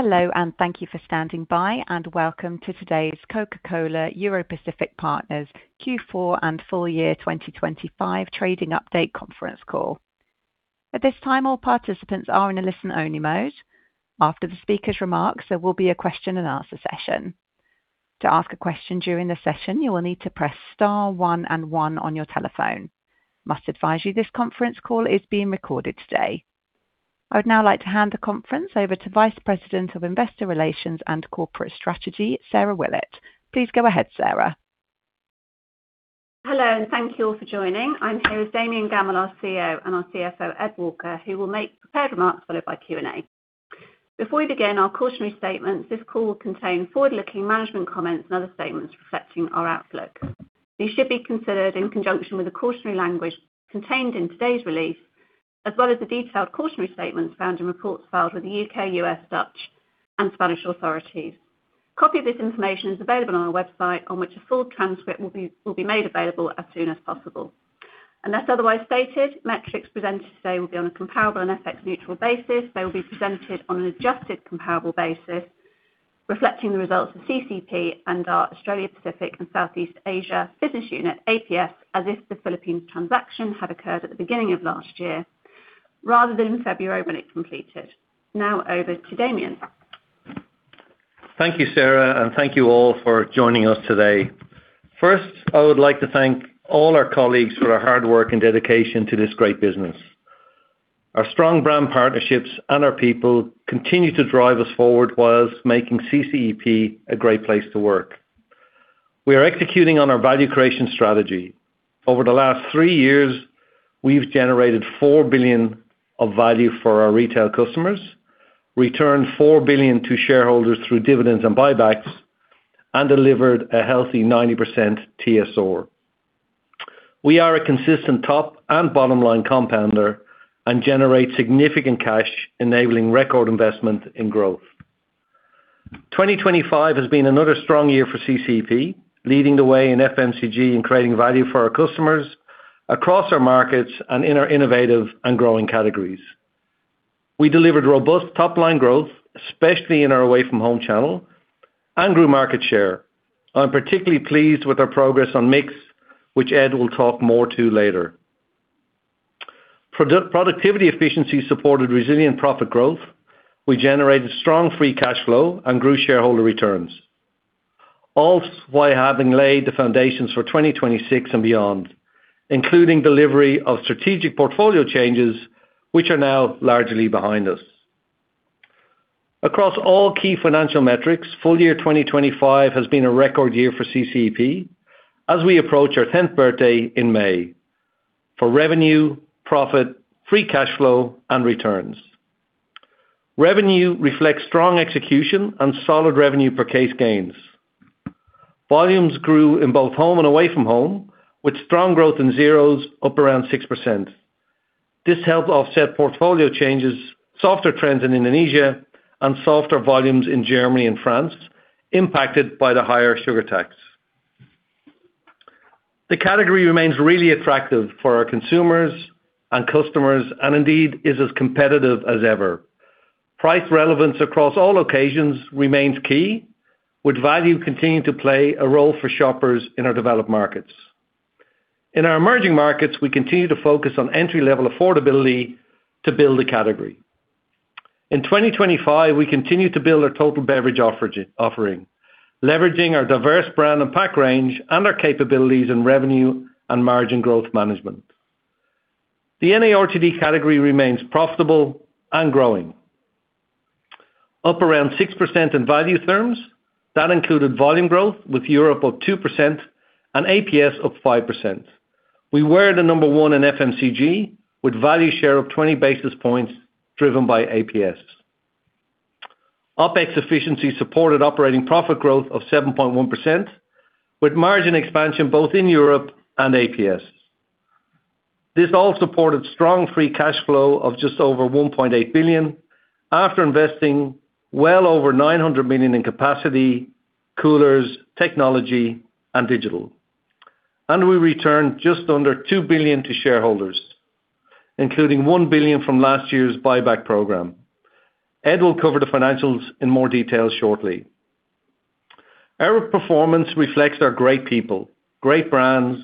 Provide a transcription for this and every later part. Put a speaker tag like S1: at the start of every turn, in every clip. S1: Hello, and thank you for standing by, and welcome to today's Coca-Cola Europacific Partners Q4 and full year 2025 trading update conference call. At this time, all participants are in a listen-only mode. After the speaker's remarks, there will be a question and answer session. To ask a question during the session, you will need to press star one and one on your telephone. Must advise you, this conference call is being recorded today. I would now like to hand the conference over to Vice President of Investor Relations and Corporate Strategy, Sarah Willett. Please go ahead, Sarah.
S2: Hello, and thank you all for joining. I'm here with Damian Gammell, our CEO, and our CFO, Ed Walker, who will make prepared remarks followed by Q&A. Before we begin our cautionary statements, this call will contain forward-looking management comments and other statements reflecting our outlook. These should be considered in conjunction with the cautionary language contained in today's release, as well as the detailed cautionary statements found in reports filed with the U.K., U.S., Dutch, and Spanish authorities. Copy of this information is available on our website, on which a full transcript will be made available as soon as possible. Unless otherwise stated, metrics presented today will be on a comparable and FX-neutral basis. They will be presented on an adjusted comparable basis, reflecting the results of CCEP and our Australia Pacific and Southeast Asia Business unit, APS, as if the Philippines transaction had occurred at the beginning of last year rather than in February, when it completed. Now over to Damian.
S3: Thank you, Sarah, and thank you all for joining us today. First, I would like to thank all our colleagues for their hard work and dedication to this great business. Our strong brand partnerships and our people continue to drive us forward whilst making CCEP a great place to work. We are executing on our value creation strategy. Over the last three years, we've generated 4 billion of value for our retail customers, returned 4 billion to shareholders through dividends and buybacks, and delivered a healthy 90% TSR. We are a consistent top and bottom-line compounder and generate significant cash, enabling record investment in growth. 2025 has been another strong year for CCEP, leading the way in FMCG in creating value for our customers across our markets and in our innovative and growing categories. We delivered robust top-line growth, especially in our away-from-home channel, and grew market share. I'm particularly pleased with our progress on mix, which Ed will talk more to later. Productivity efficiency supported resilient profit growth. We generated strong free cash flow and grew shareholder returns. All while having laid the foundations for 2026 and beyond, including delivery of strategic portfolio changes, which are now largely behind us. Across all key financial metrics, full year 2025 has been a record year for CCEP as we approach our tenth birthday in May, for revenue, profit, free cash flow, and returns. Revenue reflects strong execution and solid revenue per case gains. Volumes grew in both home and away from home, with strong growth in zeros up around 6%. This helped offset portfolio changes, softer trends in Indonesia, and softer volumes in Germany and France, impacted by the higher sugar tax. The category remains really attractive for our consumers and customers, and indeed, is as competitive as ever. Price relevance across all occasions remains key, with value continuing to play a role for shoppers in our developed markets. In our emerging markets, we continue to focus on entry-level affordability to build the category. In 2025, we continued to build our total beverage offering, leveraging our diverse brand and pack range and our capabilities in revenue and margin growth management. The NARTD category remains profitable and growing, up around 6% in value terms. That included volume growth with Europe up 2% and APS up 5%. We were the number one in FMCG, with value share of 20 basis points driven by APS. OpEx efficiency supported operating profit growth of 7.1%, with margin expansion both in Europe and APS. This all supported strong free cash flow of just over 1.8 billion, after investing well over 900 million in capacity, coolers, technology, and digital. We returned just under 2 billion to shareholders, including 1 billion from last year's buyback program. Ed will cover the financials in more detail shortly. Our performance reflects our great people, great brands,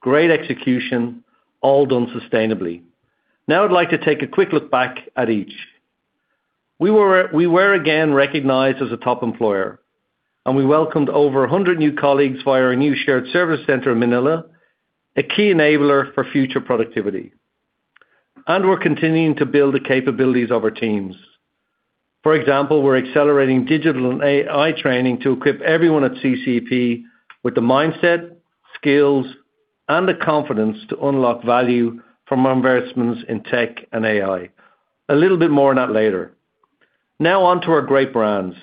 S3: great execution, all done sustainably. Now, I'd like to take a quick look back at each. We were again recognized as a top employer, and we welcomed over 100 new colleagues via our new shared service center in Manila, a key enabler for future productivity. We're continuing to build the capabilities of our teams. For example, we're accelerating digital and AI training to equip everyone at CCEP with the mindset, skills, and the confidence to unlock value from our investments in tech and AI. A little bit more on that later. Now on to our great brands.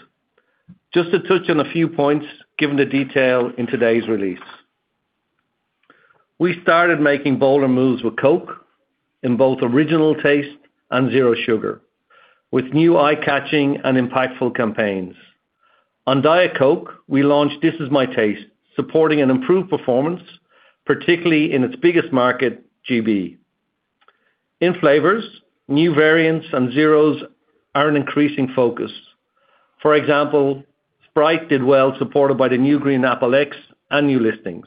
S3: Just to touch on a few points, given the detail in today's release. We started making bolder moves with Coke in both Original Taste and Zero Sugar, with new eye-catching and impactful campaigns. On Diet Coke, we launched This Is My Taste, supporting an improved performance, particularly in its biggest market, GB. In flavors, new variants and zeros are an increasing focus. For example, Sprite did well, supported by the new Green Apple X and new listings.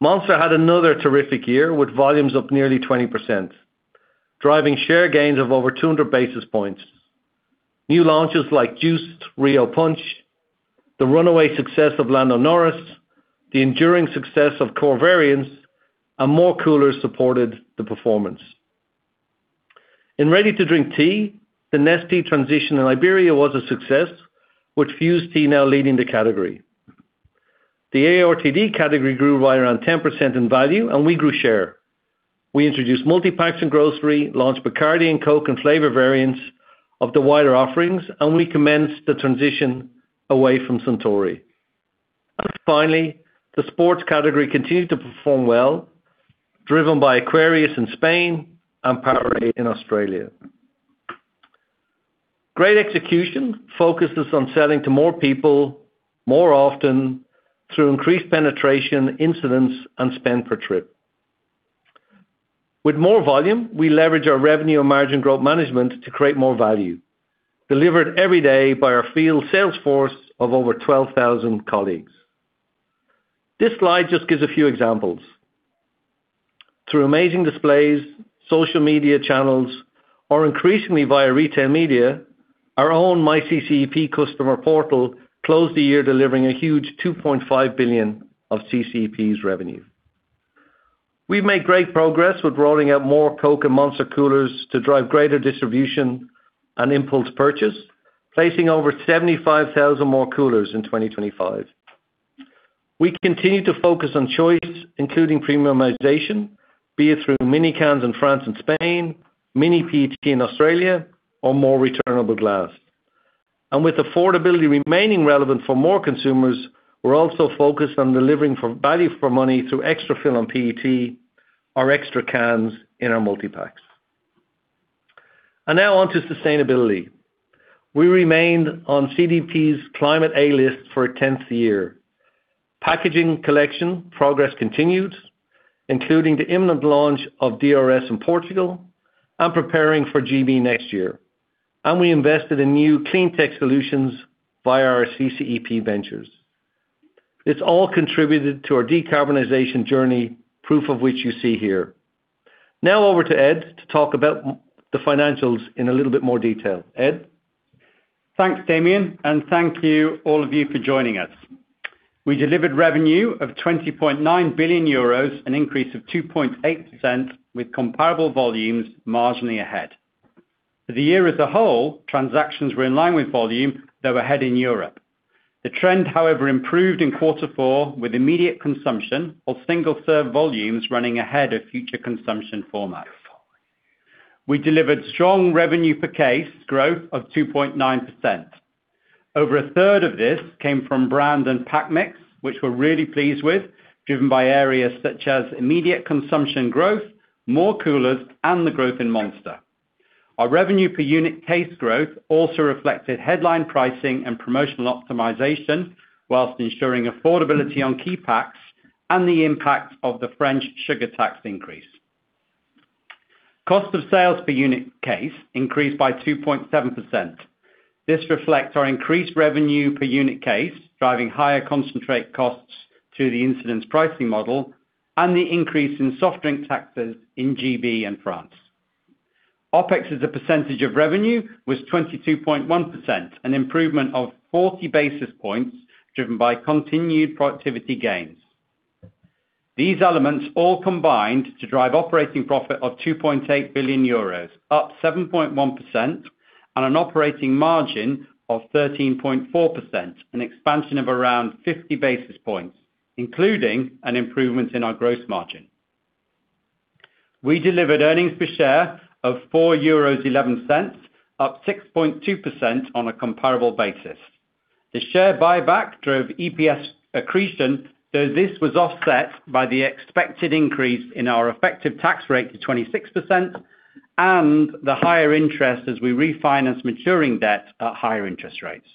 S3: Monster had another terrific year, with volumes up nearly 20%, driving share gains of over 200 basis points. New launches like Juiced, Rio Punch, the runaway success of Lando Norris, the enduring success of core variants, and more coolers supported the performance. In ready-to-drink tea, the Nestea transition in Iberia was a success, with Fuze Tea now leading the category. The ARTD category grew right around 10% in value, and we grew share. We introduced multipacks in grocery, launched Bacardi and Coke, and flavor variants of the wider offerings, and we commenced the transition away from Suntory. And finally, the sports category continued to perform well, driven by Aquarius in Spain and Powerade in Australia. Great execution focuses on selling to more people, more often through increased penetration, incidents, and spend per trip. With more volume, we leverage our revenue and margin growth management to create more value, delivered every day by our field sales force of over 12,000 colleagues. This slide just gives a few examples. Through amazing displays, social media channels, or increasingly via retail media, our own myCCEP customer portal closed the year delivering a huge 2.5 billion of CCEP's revenue. We've made great progress with rolling out more Coke and Monster coolers to drive greater distribution and impulse purchase, placing over 75,000 more coolers in 2025. We continue to focus on choice, including premiumization, be it through mini cans in France and Spain, mini PET in Australia, or more returnable glass. With affordability remaining relevant for more consumers, we're also focused on delivering value for money through extra fill on PET or extra cans in our multipacks. Now on to sustainability. We remained on CDP's Climate A List for a tenth year. Packaging collection progress continued, including the imminent launch of DRS in Portugal and preparing for GB next year, and we invested in new clean tech solutions via our CCEP Ventures. It's all contributed to our decarbonization journey, proof of which you see here. Now over to Ed to talk about the financials in a little bit more detail. Ed?
S4: Thanks, Damian, and thank you, all of you, for joining us. We delivered revenue of 20.9 billion euros, an increase of 2.8%, with comparable volumes marginally ahead. For the year as a whole, transactions were in line with volume, though ahead in Europe. The trend, however, improved in quarter four, with immediate consumption or single-serve volumes running ahead of future consumption formats. We delivered strong revenue per case growth of 2.9%. Over a third of this came from brand and pack mix, which we're really pleased with, driven by areas such as immediate consumption growth, more coolers, and the growth in Monster. Our revenue per unit case growth also reflected headline pricing and promotional optimization, while ensuring affordability on key packs and the impact of the French sugar tax increase. Cost of sales per unit case increased by 2.7%. This reflects our increased revenue per unit case, driving higher concentrate costs to the incidence pricing model and the increase in soft drink taxes in GB and France. OpEx as a percentage of revenue was 22.1%, an improvement of 40 basis points, driven by continued productivity gains. These elements all combined to drive operating profit of 2.8 billion euros, up 7.1%, on an operating margin of 13.4%, an expansion of around 50 basis points, including an improvement in our gross margin. We delivered earnings per share of 4.11 euros, up 6.2% on a comparable basis. The share buyback drove EPS accretion, though this was offset by the expected increase in our effective tax rate to 26% and the higher interest as we refinance maturing debt at higher interest rates.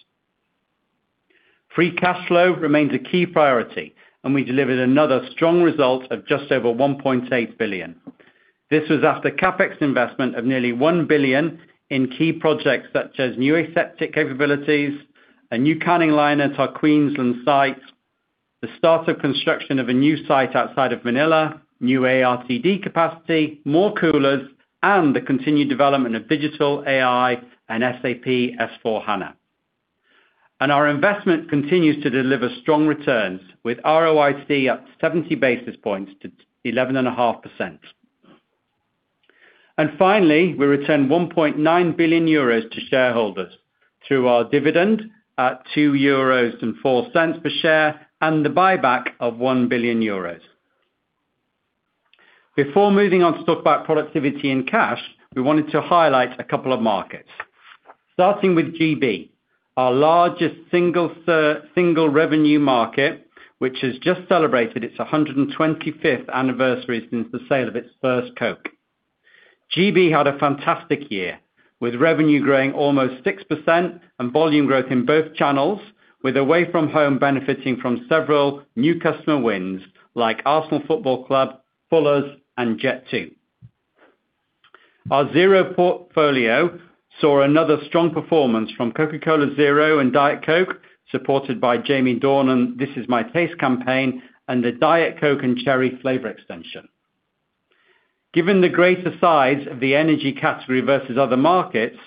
S4: Free cash flow remains a key priority, and we delivered another strong result of just over 1.8 billion. This was after CapEx investment of nearly 1 billion in key projects such as new aseptic capabilities, a new canning line at our Queensland site, the start of construction of a new site outside of Manila, new ARTD capacity, more coolers, and the continued development of digital AI and SAP S/4HANA. Our investment continues to deliver strong returns, with ROIC up 70 basis points to 11.5%. Finally, we returned 1.9 billion euros to shareholders through our dividend at 2.04 euros per share and the buyback of 1 billion euros. Before moving on to talk about productivity and cash, we wanted to highlight a couple of markets. Starting with GB, our largest single revenue market, which has just celebrated its 125th anniversary since the sale of its first Coke. GB had a fantastic year. With revenue growing almost 6% and volume growth in both channels, with away from home benefiting from several new customer wins, like Arsenal Football Club, Fuller's, and Jet2. Our zero portfolio saw another strong performance from Coca-Cola Zero and Diet Coke, supported by Jamie Dornan, This Is My Taste campaign, and the Diet Coke and Cherry flavor extension. Given the greater size of the energy category versus other markets,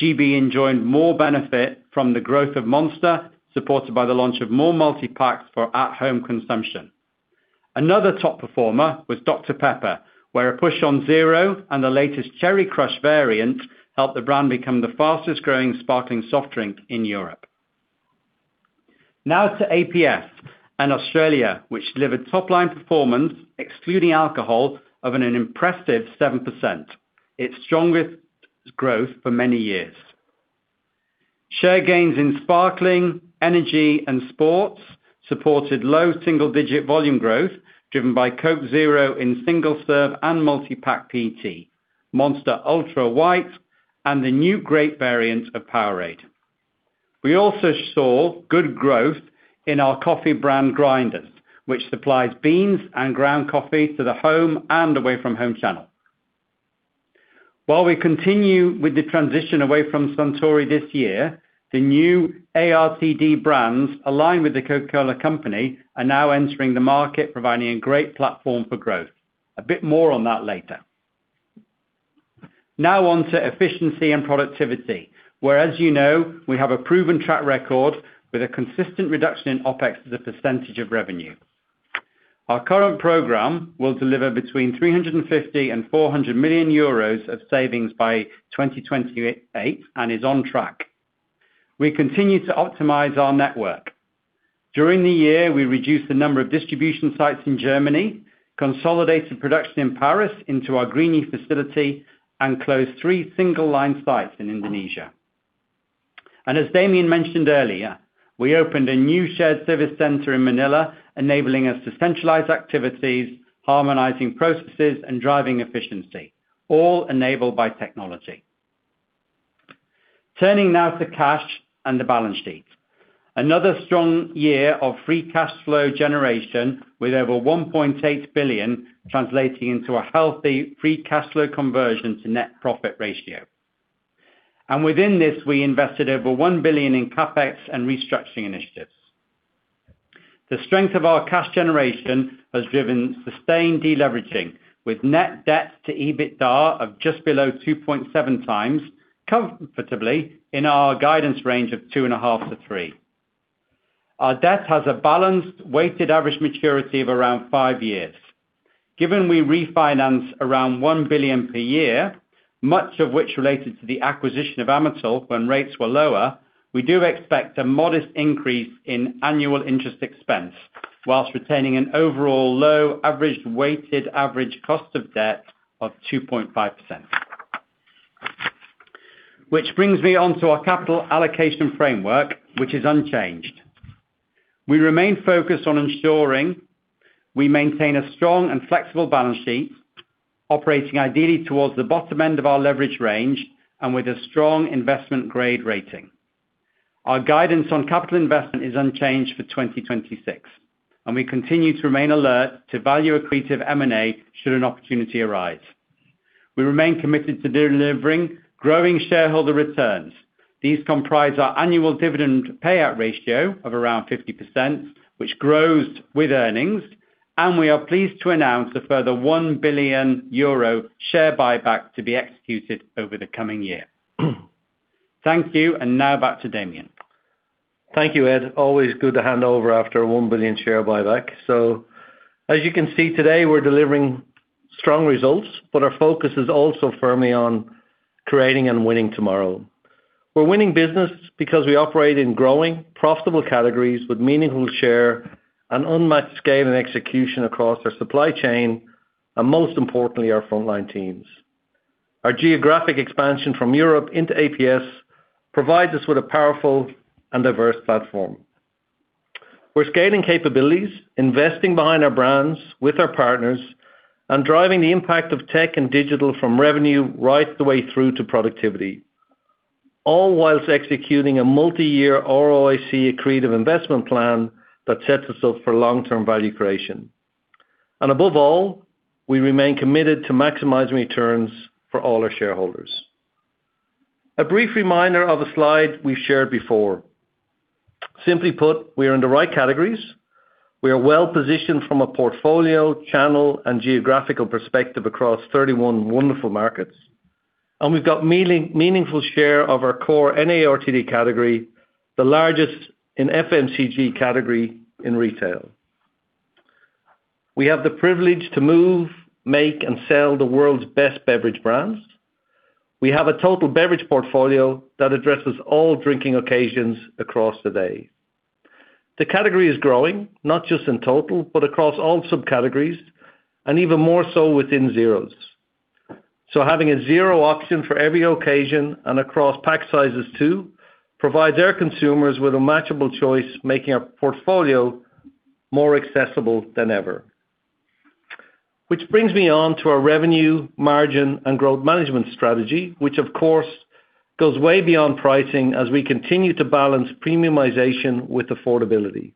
S4: GB enjoyed more benefit from the growth of Monster, supported by the launch of more multi-packs for at-home consumption. Another top performer was Dr Pepper, where a push on Zero and the latest Cherry Crush variant helped the brand become the fastest-growing sparkling soft drink in Europe. Now to APS and Australia, which delivered top-line performance, excluding alcohol, of an impressive 7%, its strongest growth for many years. Share gains in sparkling, energy, and sports supported low single-digit volume growth, driven by Coke Zero in single-serve and multi-pack PET, Monster Ultra White, and the new grape variant of Powerade. We also saw good growth in our coffee brand, Grinders, which supplies beans and ground coffee to the home and away-from-home channel. While we continue with the transition away from Suntory this year, the new ARTD brands aligned with the Coca-Cola Company are now entering the market, providing a great platform for growth. A bit more on that later. Now on to efficiency and productivity, where, as you know, we have a proven track record with a consistent reduction in OpEx as a percentage of revenue. Our current program will deliver between 350 million and 400 million euros of savings by 2028, and is on track. We continue to optimize our network. During the year, we reduced the number of distribution sites in Germany, consolidated production in Paris into our Grigny facility, and closed three single-line sites in Indonesia. And as Damian mentioned earlier, we opened a new shared service center in Manila, enabling us to centralize activities, harmonizing processes, and driving efficiency, all enabled by technology. Turning now to cash and the balance sheet. Another strong year of free cash flow generation with over $1.8 billion, translating into a healthy free cash flow conversion to net profit ratio. Within this, we invested over $1 billion in CapEx and restructuring initiatives. The strength of our cash generation has driven sustained deleveraging, with net debt to EBITDA of just below 2.7x, comfortably in our guidance range of 2.5x-3x. Our debt has a balanced, weighted average maturity of around 5 years. Given we refinance around 1 billion per year, much of which related to the acquisition of Amatil when rates were lower, we do expect a modest increase in annual interest expense, while retaining an overall low, averaged, weighted average cost of debt of 2.5%. Which brings me on to our capital allocation framework, which is unchanged. We remain focused on ensuring we maintain a strong and flexible balance sheet, operating ideally towards the bottom end of our leverage range and with a strong investment grade rating. Our guidance on capital investment is unchanged for 2026, and we continue to remain alert to value accretive M&A should an opportunity arise. We remain committed to delivering growing shareholder returns. These comprise our annual dividend payout ratio of around 50%, which grows with earnings, and we are pleased to announce a further 1 billion euro share buyback to be executed over the coming year. Thank you, and now back to Damian.
S3: Thank you, Ed. Always good to hand over after a 1 billion share buyback. So as you can see today, we're delivering strong results, but our focus is also firmly on creating and winning tomorrow. We're winning business because we operate in growing, profitable categories with meaningful share and unmatched scale and execution across our supply chain, and most importantly, our frontline teams. Our geographic expansion from Europe into APS provides us with a powerful and diverse platform. We're scaling capabilities, investing behind our brands with our partners, and driving the impact of tech and digital from revenue right the way through to productivity, all whilst executing a multi-year ROIC accretive investment plan that sets us up for long-term value creation. And above all, we remain committed to maximizing returns for all our shareholders. A brief reminder of a slide we've shared before. Simply put, we are in the right categories. We are well-positioned from a portfolio, channel, and geographical perspective across 31 wonderful markets, and we've got meaningful share of our core NARTD category, the largest in FMCG category in retail. We have the privilege to move, make and sell the world's best beverage brands. We have a total beverage portfolio that addresses all drinking occasions across the day. The category is growing, not just in total, but across all subcategories, and even more so within zeros. So having a zero option for every occasion and across pack sizes too, provides our consumers with a matchable choice, making our portfolio more accessible than ever… Which brings me on to our revenue, margin, and growth management strategy, which of course, goes way beyond pricing as we continue to balance premiumization with affordability.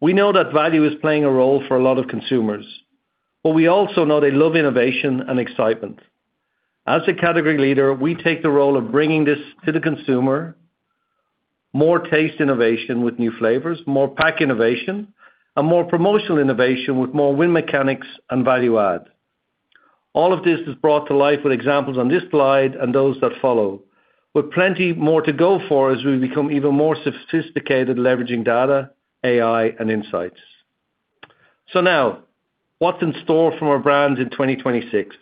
S3: We know that value is playing a role for a lot of consumers, but we also know they love innovation and excitement. As a category leader, we take the role of bringing this to the consumer. More taste innovation with new flavors, more pack innovation, and more promotional innovation with more win mechanics and value add. All of this is brought to life with examples on this slide and those that follow, with plenty more to go for as we become even more sophisticated, leveraging data, AI, and insights. So now, what's in store from our brands in 2026?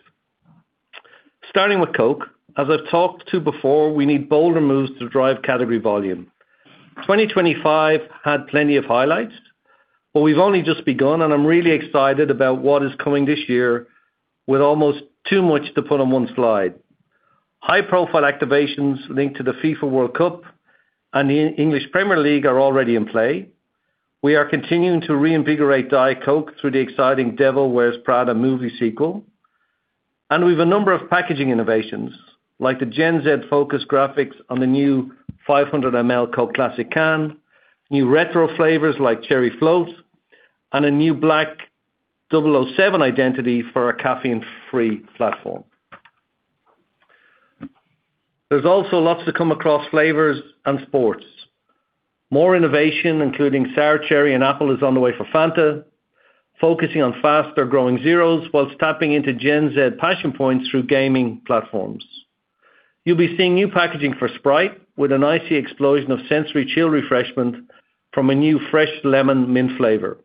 S3: Starting with Coke, as I've talked to before, we need bolder moves to drive category volume. 2025 had plenty of highlights, but we've only just begun, and I'm really excited about what is coming this year with almost too much to put on one slide. High-profile activations linked to the FIFA World Cup and the English Premier League are already in play. We are continuing to reinvigorate Diet Coke through the exciting Devil Wears Prada movie sequel. We have a number of packaging innovations, like the Gen Z-focused graphics on the new 500 ml Coke classic can, new retro flavors like cherry float, and a new black 007 identity for our caffeine-free platform. There's also lots to come across flavors and sports. More innovation, including sour cherry and apple, is on the way for Fanta, focusing on faster-growing zeros whilst tapping into Gen Z passion points through gaming platforms. You'll be seeing new packaging for Sprite with an icy explosion of sensory chill refreshment from a new fresh lemon mint flavor.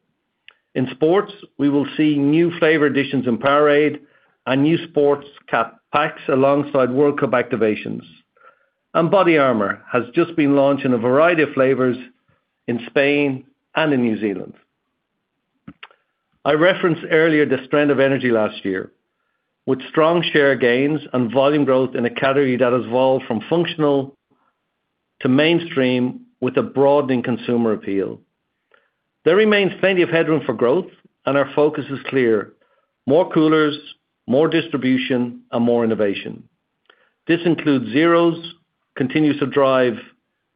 S3: In sports, we will see new flavor additions in Powerade and new sports cap packs alongside World Cup activations. BODYARMOR has just been launched in a variety of flavors in Spain and in New Zealand. I referenced earlier the strength of energy last year, with strong share gains and volume growth in a category that has evolved from functional to mainstream with a broadening consumer appeal. There remains plenty of headroom for growth, and our focus is clear: more coolers, more distribution, and more innovation. This includes zeros, continues to drive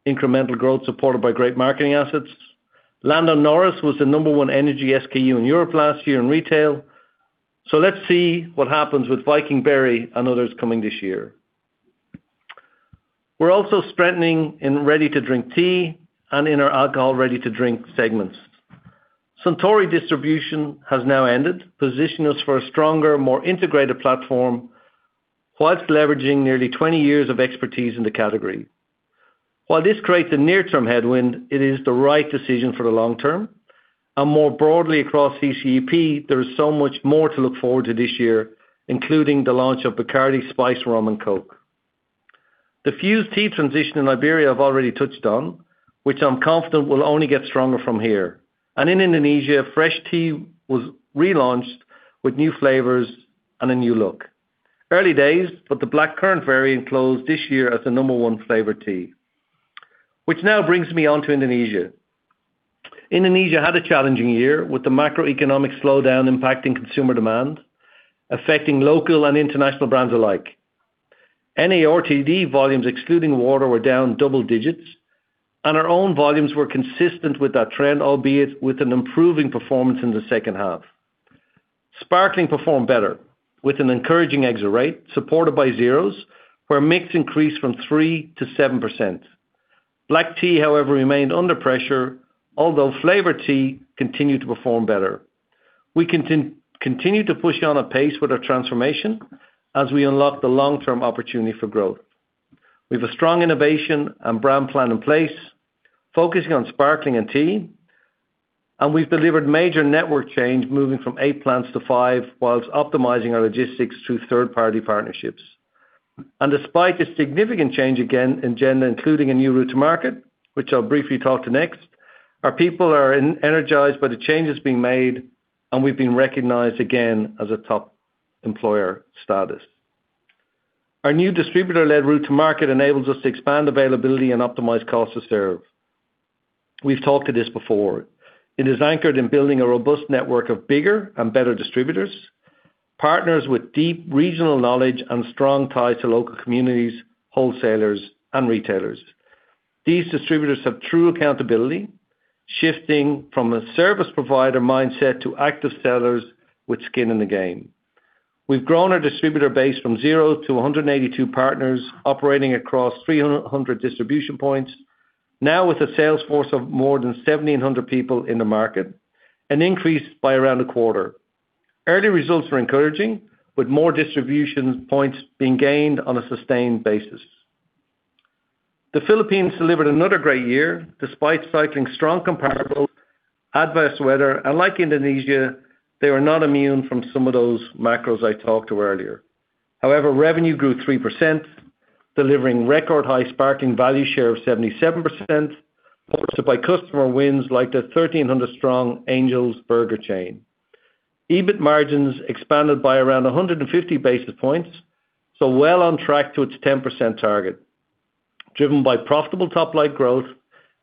S3: incremental growth supported by great marketing assets. Lando Norris was the number 1 energy SKU in Europe last year in retail, so let's see what happens with Viking Berry and others coming this year. We're also strengthening in ready-to-drink tea and in our alcohol ready-to-drink segments. Suntory distribution has now ended, positioning us for a stronger, more integrated platform, while leveraging nearly 20 years of expertise in the category. While this creates a near-term headwind, it is the right decision for the long term, and more broadly across CCEP, there is so much more to look forward to this year, including the launch of Bacardi Spiced Rum and Coke. The Fuze Tea transition in Iberia I've already touched on, which I'm confident will only get stronger from here. In Indonesia, Frestea was relaunched with new flavors and a new look. Early days, but the black currant variant closed this year as the number one flavored tea, which now brings me on to Indonesia. Indonesia had a challenging year, with the macroeconomic slowdown impacting consumer demand, affecting local and international brands alike. NARTD volumes, excluding water, were down double digits, and our own volumes were consistent with that trend, albeit with an improving performance in the second half. Sparkling performed better, with an encouraging exit rate, supported by Zeros, where mix increased from 3%-7%. Black tea, however, remained under pressure, although flavored tea continued to perform better. We continue to push on apace with our transformation as we unlock the long-term opportunity for growth. We have a strong innovation and brand plan in place, focusing on sparkling and tea, and we've delivered major network change, moving from 8 plants to 5, while optimizing our logistics through third-party partnerships. Despite the significant change, again, in Indonesia, including a new route to market, which I'll briefly talk to next, our people are energized by the changes being made, and we've been recognized again as a top employer status. Our new distributor-led route to market enables us to expand availability and optimize cost to serve. We've talked to this before. It is anchored in building a robust network of bigger and better distributors, partners with deep regional knowledge and strong ties to local communities, wholesalers, and retailers. These distributors have true accountability, shifting from a service provider mindset to active sellers with skin in the game. We've grown our distributor base from zero to 182 partners, operating across 300 distribution points, now with a sales force of more than 1,700 people in the market, an increase by around a quarter. Early results are encouraging, with more distribution points being gained on a sustained basis. The Philippines delivered another great year, despite cycling strong comparable adverse weather, and like Indonesia, they were not immune from some of those macros I talked to earlier. However, revenue grew 3%, delivering record-high sparkling value share of 77%, supported by customer wins like the 1,300-strong Angel's Burger chain. EBIT margins expanded by around 150 basis points, so well on track to its 10% target. Driven by profitable top-line growth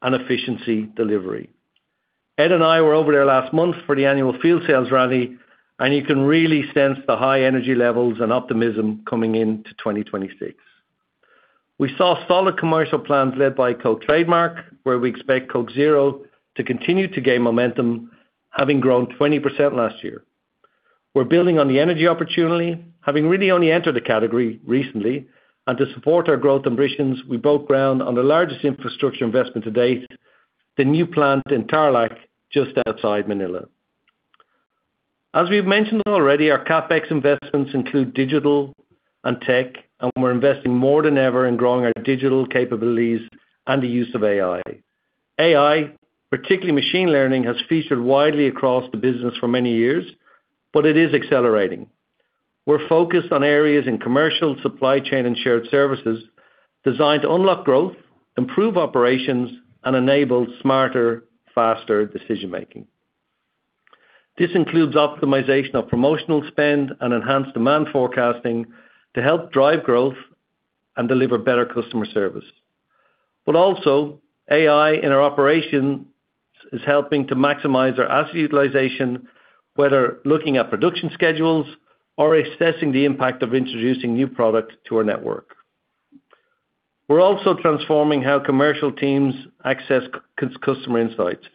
S3: and efficiency delivery. Ed and I were over there last month for the annual field sales rally, and you can really sense the high energy levels and optimism coming into 2026. We saw solid commercial plans led by Coke trademark, where we expect Coke Zero to continue to gain momentum, having grown 20% last year. We're building on the energy opportunity, having really only entered the category recently, and to support our growth ambitions, we broke ground on the largest infrastructure investment to date, the new plant in Tarlac, just outside Manila. As we've mentioned already, our CapEx investments include digital and tech, and we're investing more than ever in growing our digital capabilities and the use of AI. AI, particularly machine learning, has featured widely across the business for many years, but it is accelerating. We're focused on areas in commercial, supply chain, and shared services designed to unlock growth, improve operations, and enable smarter, faster decision-making. This includes optimization of promotional spend and enhanced demand forecasting to help drive growth and deliver better customer service. But also, AI in our operations is helping to maximize our asset utilization, whether looking at production schedules or assessing the impact of introducing new products to our network. We're also transforming how commercial teams access customer insights.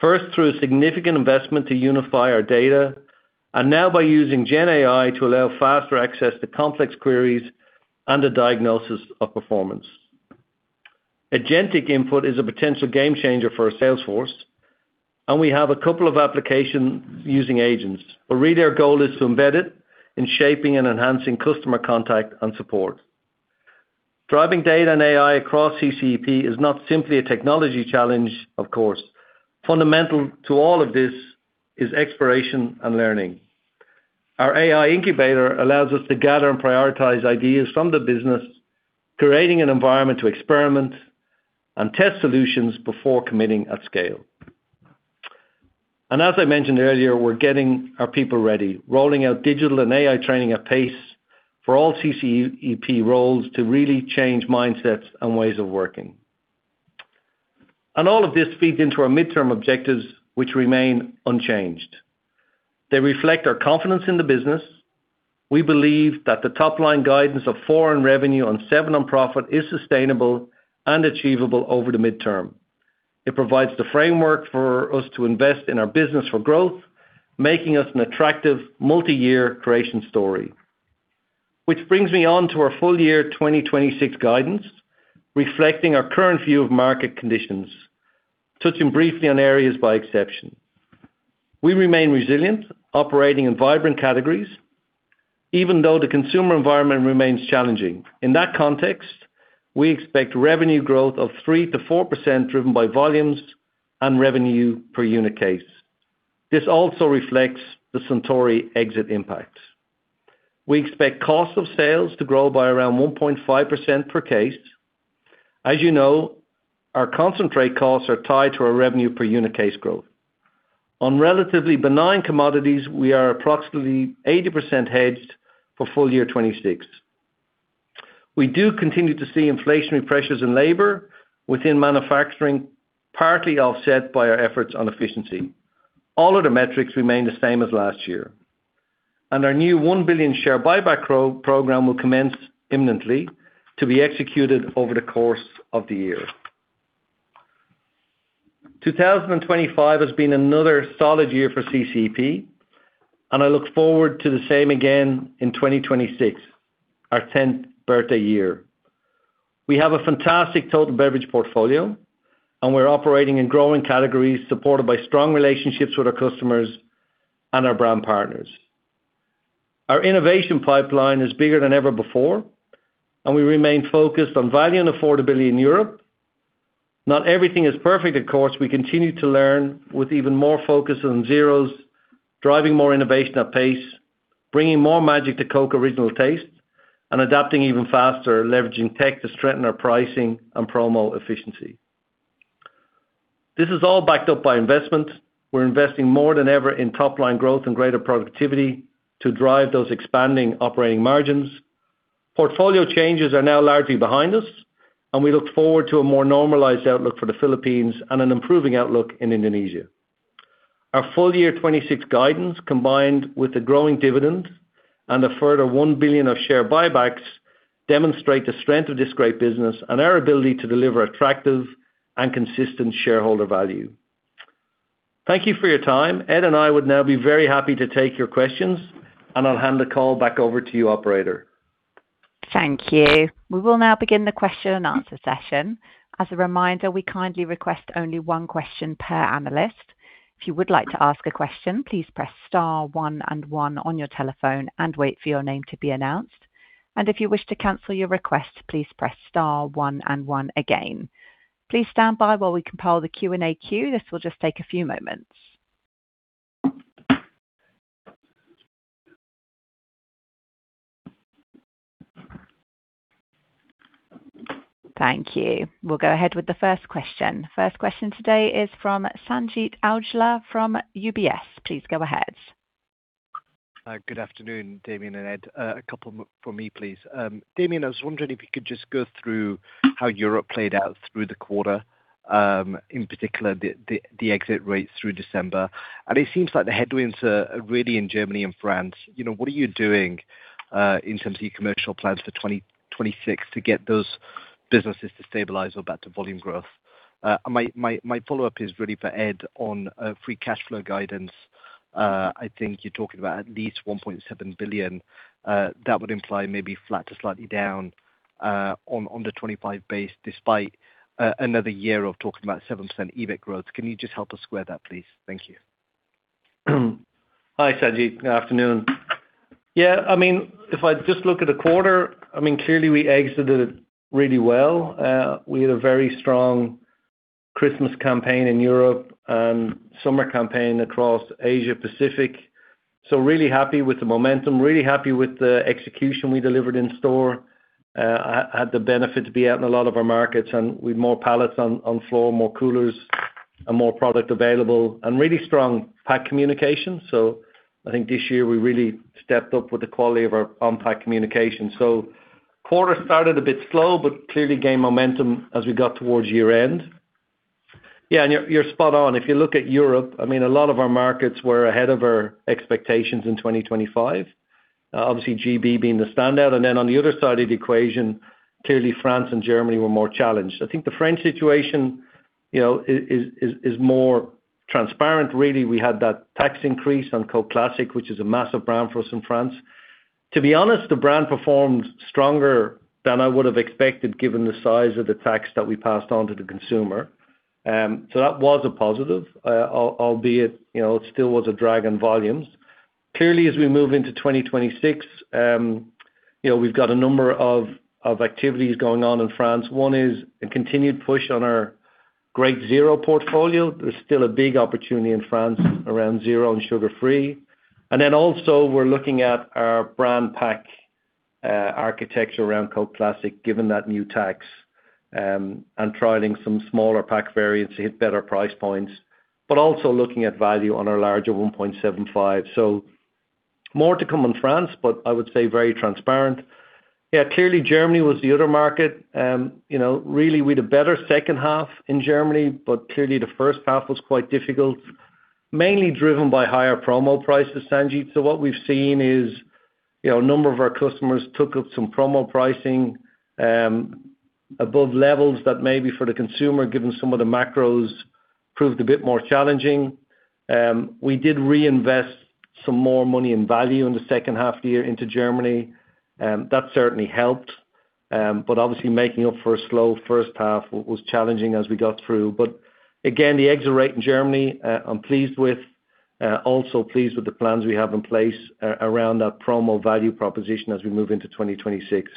S3: First, through a significant investment to unify our data, and now by using Gen AI to allow faster access to complex queries and the diagnosis of performance. Agentic AI is a potential game changer for our sales force, and we have a couple of applications using agents, but really our goal is to embed it in shaping and enhancing customer contact and support. Driving data and AI across CCEP is not simply a technology challenge, of course. Fundamental to all of this is exploration and learning. Our AI incubator allows us to gather and prioritize ideas from the business, creating an environment to experiment and test solutions before committing at scale. As I mentioned earlier, we're getting our people ready, rolling out digital and AI training at pace for all CCEP roles to really change mindsets and ways of working. All of this feeds into our midterm objectives, which remain unchanged. They reflect our confidence in the business. We believe that the top-line guidance of organic revenue growth of 7% and profit is sustainable and achievable over the midterm. It provides the framework for us to invest in our business for growth, making us an attractive multi-year creation story. Which brings me on to our full year 2026 guidance, reflecting our current view of market conditions, touching briefly on areas by exception. We remain resilient, operating in vibrant categories, even though the consumer environment remains challenging. In that context, we expect revenue growth of 3%-4%, driven by volumes and revenue per unit case. This also reflects the Suntory exit impact. We expect cost of sales to grow by around 1.5% per case. As you know, our concentrate costs are tied to our revenue per unit case growth. On relatively benign commodities, we are approximately 80% hedged for full year 2026. We do continue to see inflationary pressures in labor within manufacturing, partly offset by our efforts on efficiency. All of the metrics remain the same as last year, and our new 1 billion share buyback program will commence imminently to be executed over the course of the year. 2025 has been another solid year for CCEP, and I look forward to the same again in 2026, our tenth birthday year. We have a fantastic total beverage portfolio, and we're operating in growing categories, supported by strong relationships with our customers and our brand partners. Our innovation pipeline is bigger than ever before, and we remain focused on value and affordability in Europe. Not everything is perfect, of course. We continue to learn with even more focus on zeros, driving more innovation at pace, bringing more magic to Coke Original Taste, and adapting even faster, leveraging tech to strengthen our pricing and promo efficiency. This is all backed up by investment. We're investing more than ever in top-line growth and greater productivity to drive those expanding operating margins. Portfolio changes are now largely behind us, and we look forward to a more normalized outlook for the Philippines and an improving outlook in Indonesia. Our full year 2026 guidance, combined with the growing dividend and a further 1 billion of share buybacks, demonstrate the strength of this great business and our ability to deliver attractive and consistent shareholder value. Thank you for your time. Ed and I would now be very happy to take your questions, and I'll hand the call back over to you, operator.
S1: Thank you. We will now begin the question-and-answer session. As a reminder, we kindly request only one question per analyst. If you would like to ask a question, please press star one and one on your telephone and wait for your name to be announced. If you wish to cancel your request, please press star one and one again. Please stand by while we compile the Q&A queue. This will just take a few moments. Thank you. We'll go ahead with the first question. First question today is from Sanjeet Aujla from UBS. Please go ahead....
S5: Good afternoon, Damian and Ed. A couple more for me, please. Damian, I was wondering if you could just go through how Europe played out through the quarter, in particular, the exit rates through December. And it seems like the headwinds are really in Germany and France. You know, what are you doing in terms of your commercial plans for 2026 to get those businesses to stabilize or back to volume growth? My follow-up is really for Ed on free cash flow guidance. I think you're talking about at least 1.7 billion. That would imply maybe flat to slightly down on the 2025 base, despite another year of talking about 7% EBIT growth. Can you just help us square that, please? Thank you.
S3: Hi, Sanjeet. Good afternoon. Yeah, I mean, if I just look at the quarter, I mean, clearly we exited it really well. We had a very strong Christmas campaign in Europe and summer campaign across Asia Pacific. So really happy with the momentum, really happy with the execution we delivered in store. I had the benefit to be out in a lot of our markets, and with more pallets on floor, more coolers and more product available, and really strong pack communication. So I think this year we really stepped up with the quality of our on-pack communication. So quarter started a bit slow, but clearly gained momentum as we got towards year-end. Yeah, and you're spot on. If you look at Europe, I mean, a lot of our markets were ahead of our expectations in 2025. Obviously, GB being the standout, and then on the other side of the equation, clearly, France and Germany were more challenged. I think the French situation, you know, is, is, is more transparent, really. We had that tax increase on Coke Classic, which is a massive brand for us in France. To be honest, the brand performed stronger than I would have expected, given the size of the tax that we passed on to the consumer. So that was a positive, albeit, you know, it still was a drag in volumes. Clearly, as we move into 2026, you know, we've got a number of, of activities going on in France. One is a continued push on our great zero portfolio. There's still a big opportunity in France around zero and sugar-free. We're looking at our brand pack architecture around Coke Classic, given that new tax, and trialing some smaller pack variants to hit better price points, but also looking at value on our larger 1.75. So more to come in France, but I would say very transparent. Yeah, clearly, Germany was the other market. You know, really, we had a better second half in Germany, but clearly the first half was quite difficult, mainly driven by higher promo prices, Sanjeet. So what we've seen is, you know, a number of our customers took up some promo pricing above levels that maybe for the consumer, given some of the macros, proved a bit more challenging. We did reinvest some more money and value in the second half of the year into Germany, and that certainly helped. Obviously making up for a slow first half was challenging as we got through. But again, the exit rate in Germany, I'm pleased with. Also pleased with the plans we have in place around that promo value proposition as we move into 2026.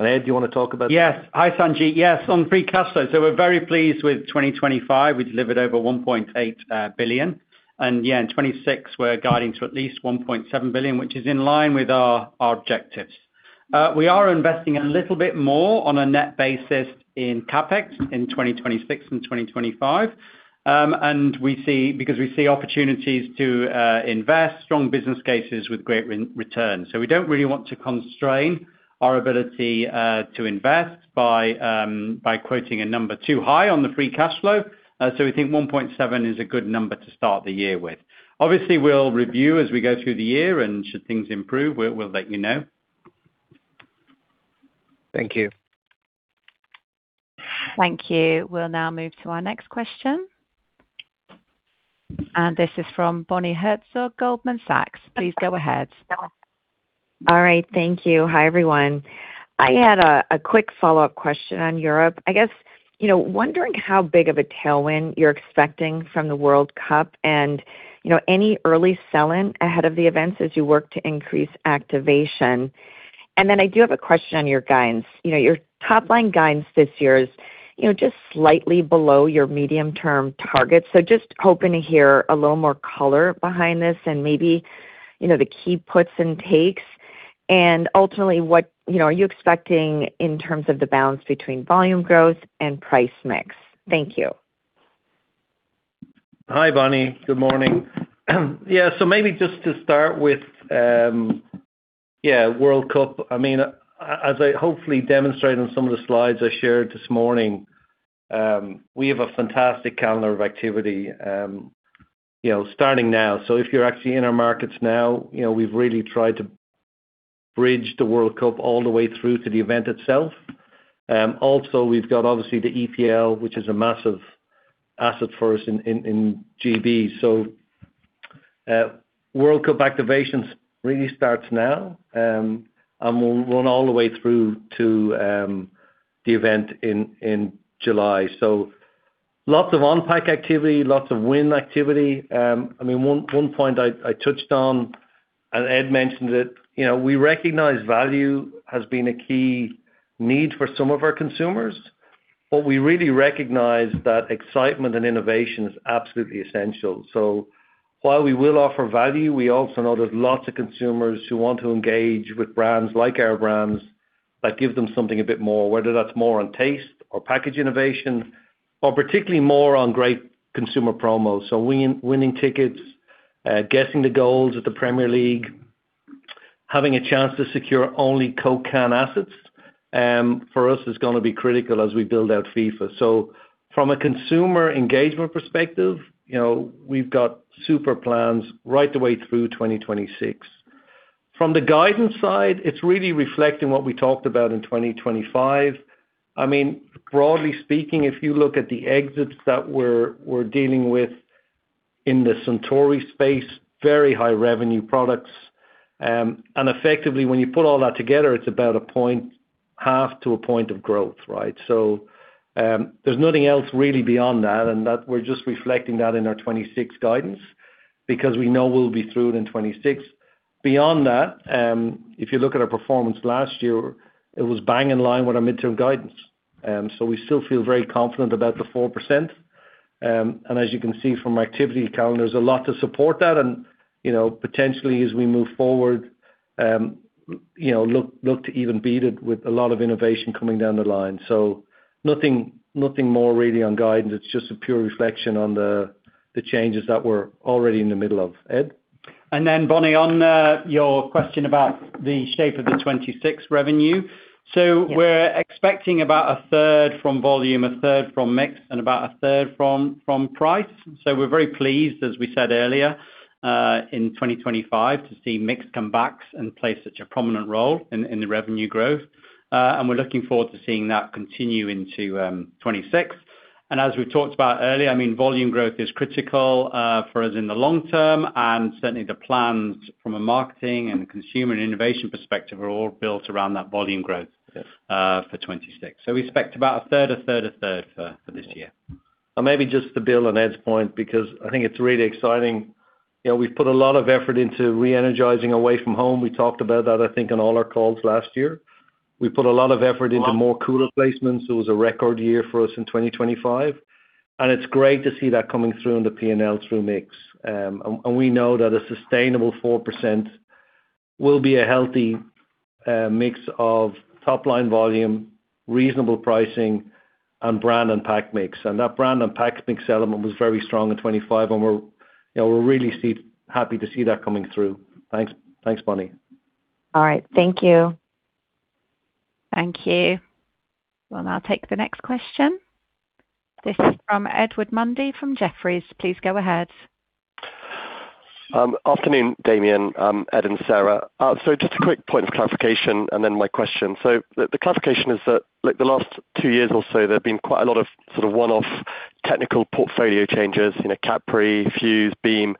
S3: Ed, do you want to talk about that?
S4: Yes. Hi, Sanjeet. Yes, on free cash flow. So we're very pleased with 2025. We delivered over 1.8 billion. And yeah, in 2026 we're guiding to at least 1.7 billion, which is in line with our objectives. We are investing a little bit more on a net basis in CapEx in 2026 and 2025. And we see because we see opportunities to invest strong business cases with great return. So we don't really want to constrain our ability to invest by quoting a number too high on the free cash flow. So we think 1.7 billion is a good number to start the year with. Obviously, we'll review as we go through the year, and should things improve, we'll let you know.
S5: Thank you.
S1: Thank you. We'll now move to our next question. This is from Bonnie Herzog, Goldman Sachs. Please go ahead.
S6: All right. Thank you. Hi, everyone. I had a quick follow-up question on Europe. I guess, you know, wondering how big of a tailwind you're expecting from the World Cup and, you know, any early sell-in ahead of the events as you work to increase activation. And then I do have a question on your guidance. You know, your top-line guidance this year is, you know, just slightly below your medium-term target. So just hoping to hear a little more color behind this and maybe, you know, the key puts and takes, and ultimately, what... You know, are you expecting in terms of the balance between volume growth and price mix? Thank you.
S3: Hi, Bonnie. Good morning. Yeah, so maybe just to start with, yeah, World Cup. I mean, as I hopefully demonstrated on some of the slides I shared this morning, we have a fantastic calendar of activity, you know, starting now. So if you're actually in our markets now, you know, we've really tried to bridge the World Cup all the way through to the event itself. Also, we've got obviously the EPL, which is a massive asset for us in GB. So, World Cup activations really starts now, and will run all the way through to the event in July. So lots of on-pack activity, lots of win activity. I mean, one point I touched on, and Ed mentioned it, you know, we recognize value has been a key need for some of our consumers, but we really recognize that excitement and innovation is absolutely essential. So while we will offer value, we also know there's lots of consumers who want to engage with brands like our brands that give them something a bit more, whether that's more on taste or package innovation, or particularly more on great consumer promos. So winning tickets, guessing the goals of the Premier League, having a chance to secure iconic Coke can assets, for us, is gonna be critical as we build out FIFA. So from a consumer engagement perspective, you know, we've got superb plans right the way through 2026. From the guidance side, it's really reflecting what we talked about in 2025. I mean, broadly speaking, if you look at the exits that we're dealing with in the Suntory space, very high revenue products. And effectively, when you put all that together, it's about 0.5-1 point of growth, right? So, there's nothing else really beyond that, and that, we're just reflecting that in our 2026 guidance, because we know we'll be through it in 2026. Beyond that, if you look at our performance last year, it was bang in line with our midterm guidance. So we still feel very confident about the 4%. And as you can see from my activity calendar, there's a lot to support that. And, you know, potentially as we move forward, you know, look to even beat it with a lot of innovation coming down the line. So nothing, nothing more really on guidance. It's just a pure reflection on the changes that we're already in the middle of. Ed?
S4: And then, Bonnie, on your question about the shape of the 2026 revenue.
S7: Yes.
S4: So we're expecting about 1/3 from volume, 1/3 from mix, and about 1/3 from price. So we're very pleased, as we said earlier, in 2025, to see mix come back and play such a prominent role in the revenue growth. And we're looking forward to seeing that continue into 2026. And as we talked about earlier, I mean, volume growth is critical for us in the long term, and certainly the plans from a marketing and consumer and innovation perspective are all built around that volume growth-
S3: Yes...
S4: for 2026. So we expect about 1/3, 1/3, 1/3 for this year.
S3: And maybe just to build on Ed's point, because I think it's really exciting. You know, we've put a lot of effort into re-energizing away from home. We talked about that, I think, on all our calls last year. We put a lot of effort into more cooler placements. It was a record year for us in 2025, and it's great to see that coming through in the P&L through mix. And we know that a sustainable 4% will be a healthy mix of top-line volume, reasonable pricing, and brand and pack mix. And that brand and pack mix element was very strong in 2025, and we're, you know, we're really happy to see that coming through. Thanks. Thanks, Bonnie.
S6: All right. Thank you.
S1: Thank you. We'll now take the next question. This is from Edward Mundy from Jefferies. Please go ahead.
S8: Afternoon, Damian, Ed, and Sarah. So just a quick point of clarification and then my question. So the, the clarification is that, like, the last two years or so, there have been quite a lot of sort of one-off technical portfolio changes, you know, Campari, Fuze, Beam.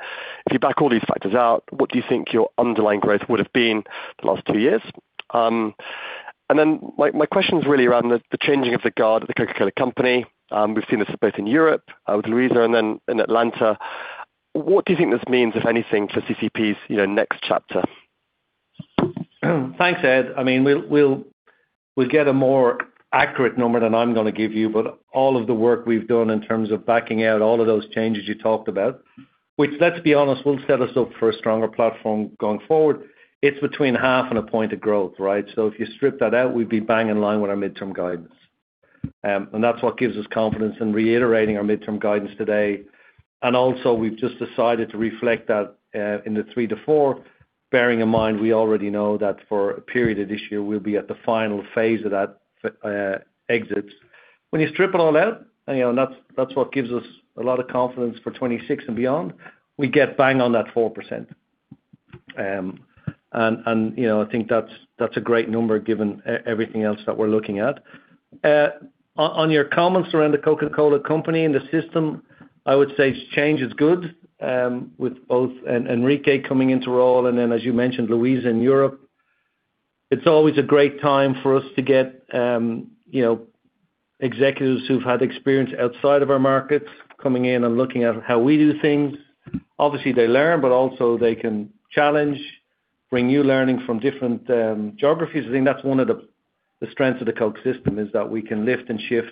S8: If you back all these factors out, what do you think your underlying growth would have been the last two years? And then my question is really around the changing of the guard at the Coca-Cola Company. We've seen this both in Europe, with Luisa and then in Atlanta. What do you think this means, if anything, to CCEP's, you know, next chapter?
S3: Thanks, Ed. I mean, we'll get a more accurate number than I'm gonna give you, but all of the work we've done in terms of backing out all of those changes you talked about, which, let's be honest, will set us up for a stronger platform going forward, it's between half and a point of growth, right? So if you strip that out, we'd be bang in line with our midterm guidance. And that's what gives us confidence in reiterating our midterm guidance today. And also, we've just decided to reflect that in the 3-4, bearing in mind, we already know that for a period of this year, we'll be at the final phase of that exit. When you strip it all out, and, you know, that's, that's what gives us a lot of confidence for 2026 and beyond, we get bang on that 4%. And, you know, I think that's, that's a great number, given everything else that we're looking at. On, on your comments around The Coca-Cola Company and the system, I would say change is good, with both Henrique coming into role, and then, as you mentioned, Luisa in Europe. It's always a great time for us to get, you know, executives who've had experience outside of our markets coming in and looking at how we do things. Obviously, they learn, but also they can challenge, bring new learning from different, geographies. I think that's one of the strengths of the Coke system, is that we can lift and shift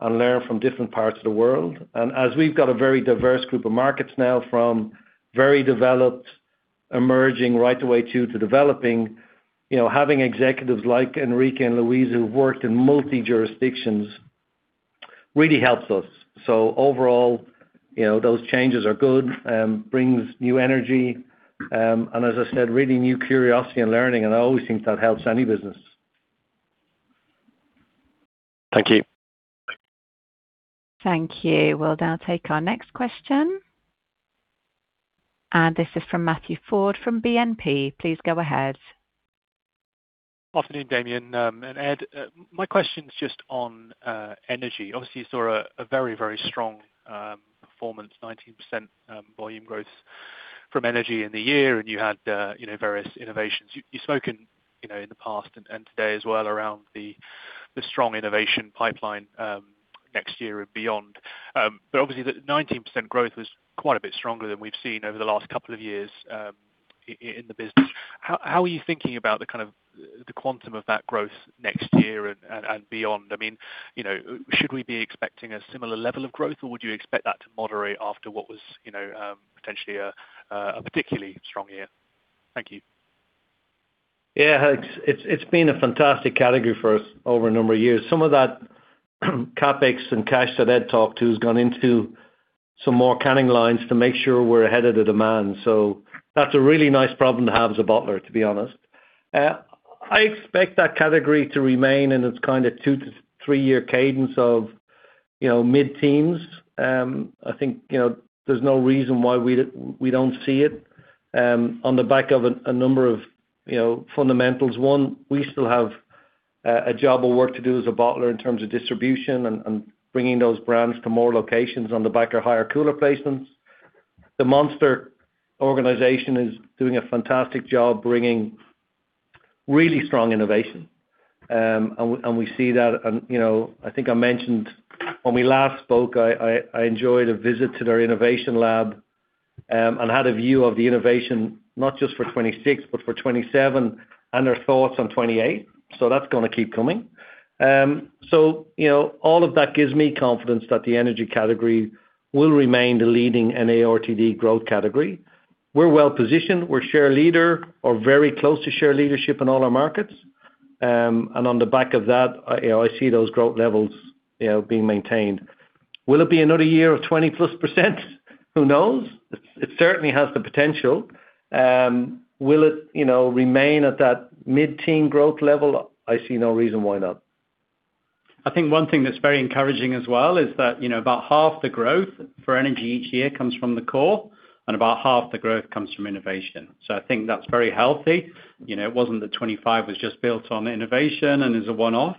S3: and learn from different parts of the world. As we've got a very diverse group of markets now, from very developed, emerging, right the way to developing, you know, having executives like Henrique and Luisa, who've worked in multi jurisdictions really helps us. Overall, you know, those changes are good, brings new energy, and as I said, really new curiosity and learning, and I always think that helps any business.
S8: Thank you.
S1: Thank you. We'll now take our next question. This is from Matthew Ford, from BNP. Please go ahead.
S9: Afternoon, Damian, and Ed. My question's just on energy. Obviously, you saw a very, very strong performance, 19% volume growth from energy in the year, and you had, you know, various innovations. You've spoken, you know, in the past and today as well around the strong innovation pipeline next year and beyond. But obviously, the 19% growth was quite a bit stronger than we've seen over the last couple of years in the business. How are you thinking about the kind of the quantum of that growth next year and beyond? I mean, you know, should we be expecting a similar level of growth, or would you expect that to moderate after what was, you know, potentially a particularly strong year? Thank you....
S3: Yeah, it's been a fantastic category for us over a number of years. Some of that CapEx and cash that Ed talked to has gone into some more canning lines to make sure we're ahead of the demand. So that's a really nice problem to have as a bottler, to be honest. I expect that category to remain in its kind of 2- to 3-year cadence of, you know, mid-teens. I think, you know, there's no reason why we don't see it on the back of a number of, you know, fundamentals. One, we still have a job of work to do as a bottler in terms of distribution and bringing those brands to more locations on the back of higher cooler placements. The Monster organization is doing a fantastic job bringing really strong innovation. And we see that, and, you know, I think I mentioned when we last spoke, I enjoyed a visit to their innovation lab, and had a view of the innovation not just for 2026, but for 2027, and their thoughts on 2028. So that's gonna keep coming. So, you know, all of that gives me confidence that the energy category will remain the leading NA RTD growth category. We're well positioned, we're share leader or very close to share leadership in all our markets. And on the back of that, you know, I see those growth levels, you know, being maintained. Will it be another year of 20%+? Who knows? It certainly has the potential. Will it, you know, remain at that mid-teen growth level? I see no reason why not.
S4: I think one thing that's very encouraging as well is that, you know, about half the growth for energy each year comes from the core, and about half the growth comes from innovation. So I think that's very healthy. You know, it wasn't that 25 was just built on innovation and is a one-off.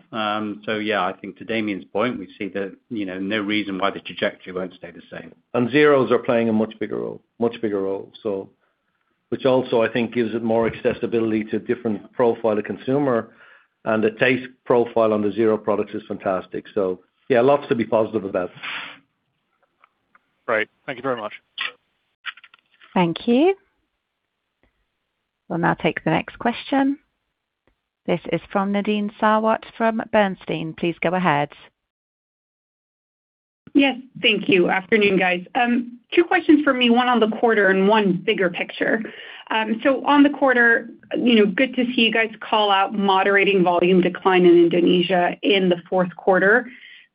S4: So yeah, I think to Damian's point, we see that, you know, no reason why the trajectory won't stay the same.
S3: Zeros are playing a much bigger role, much bigger role, so... which also, I think, gives it more accessibility to a different profile of consumer, and the taste profile on the zero products is fantastic. So, yeah, lots to be positive about.
S9: Great. Thank you very much.
S1: Thank you. We'll now take the next question. This is from Nadine Sarwat from Bernstein. Please go ahead.
S10: Yes, thank you. Afternoon, guys. Two questions for me, one on the quarter and one bigger picture. So on the quarter, you know, good to see you guys call out moderating volume decline in Indonesia in the fourth quarter.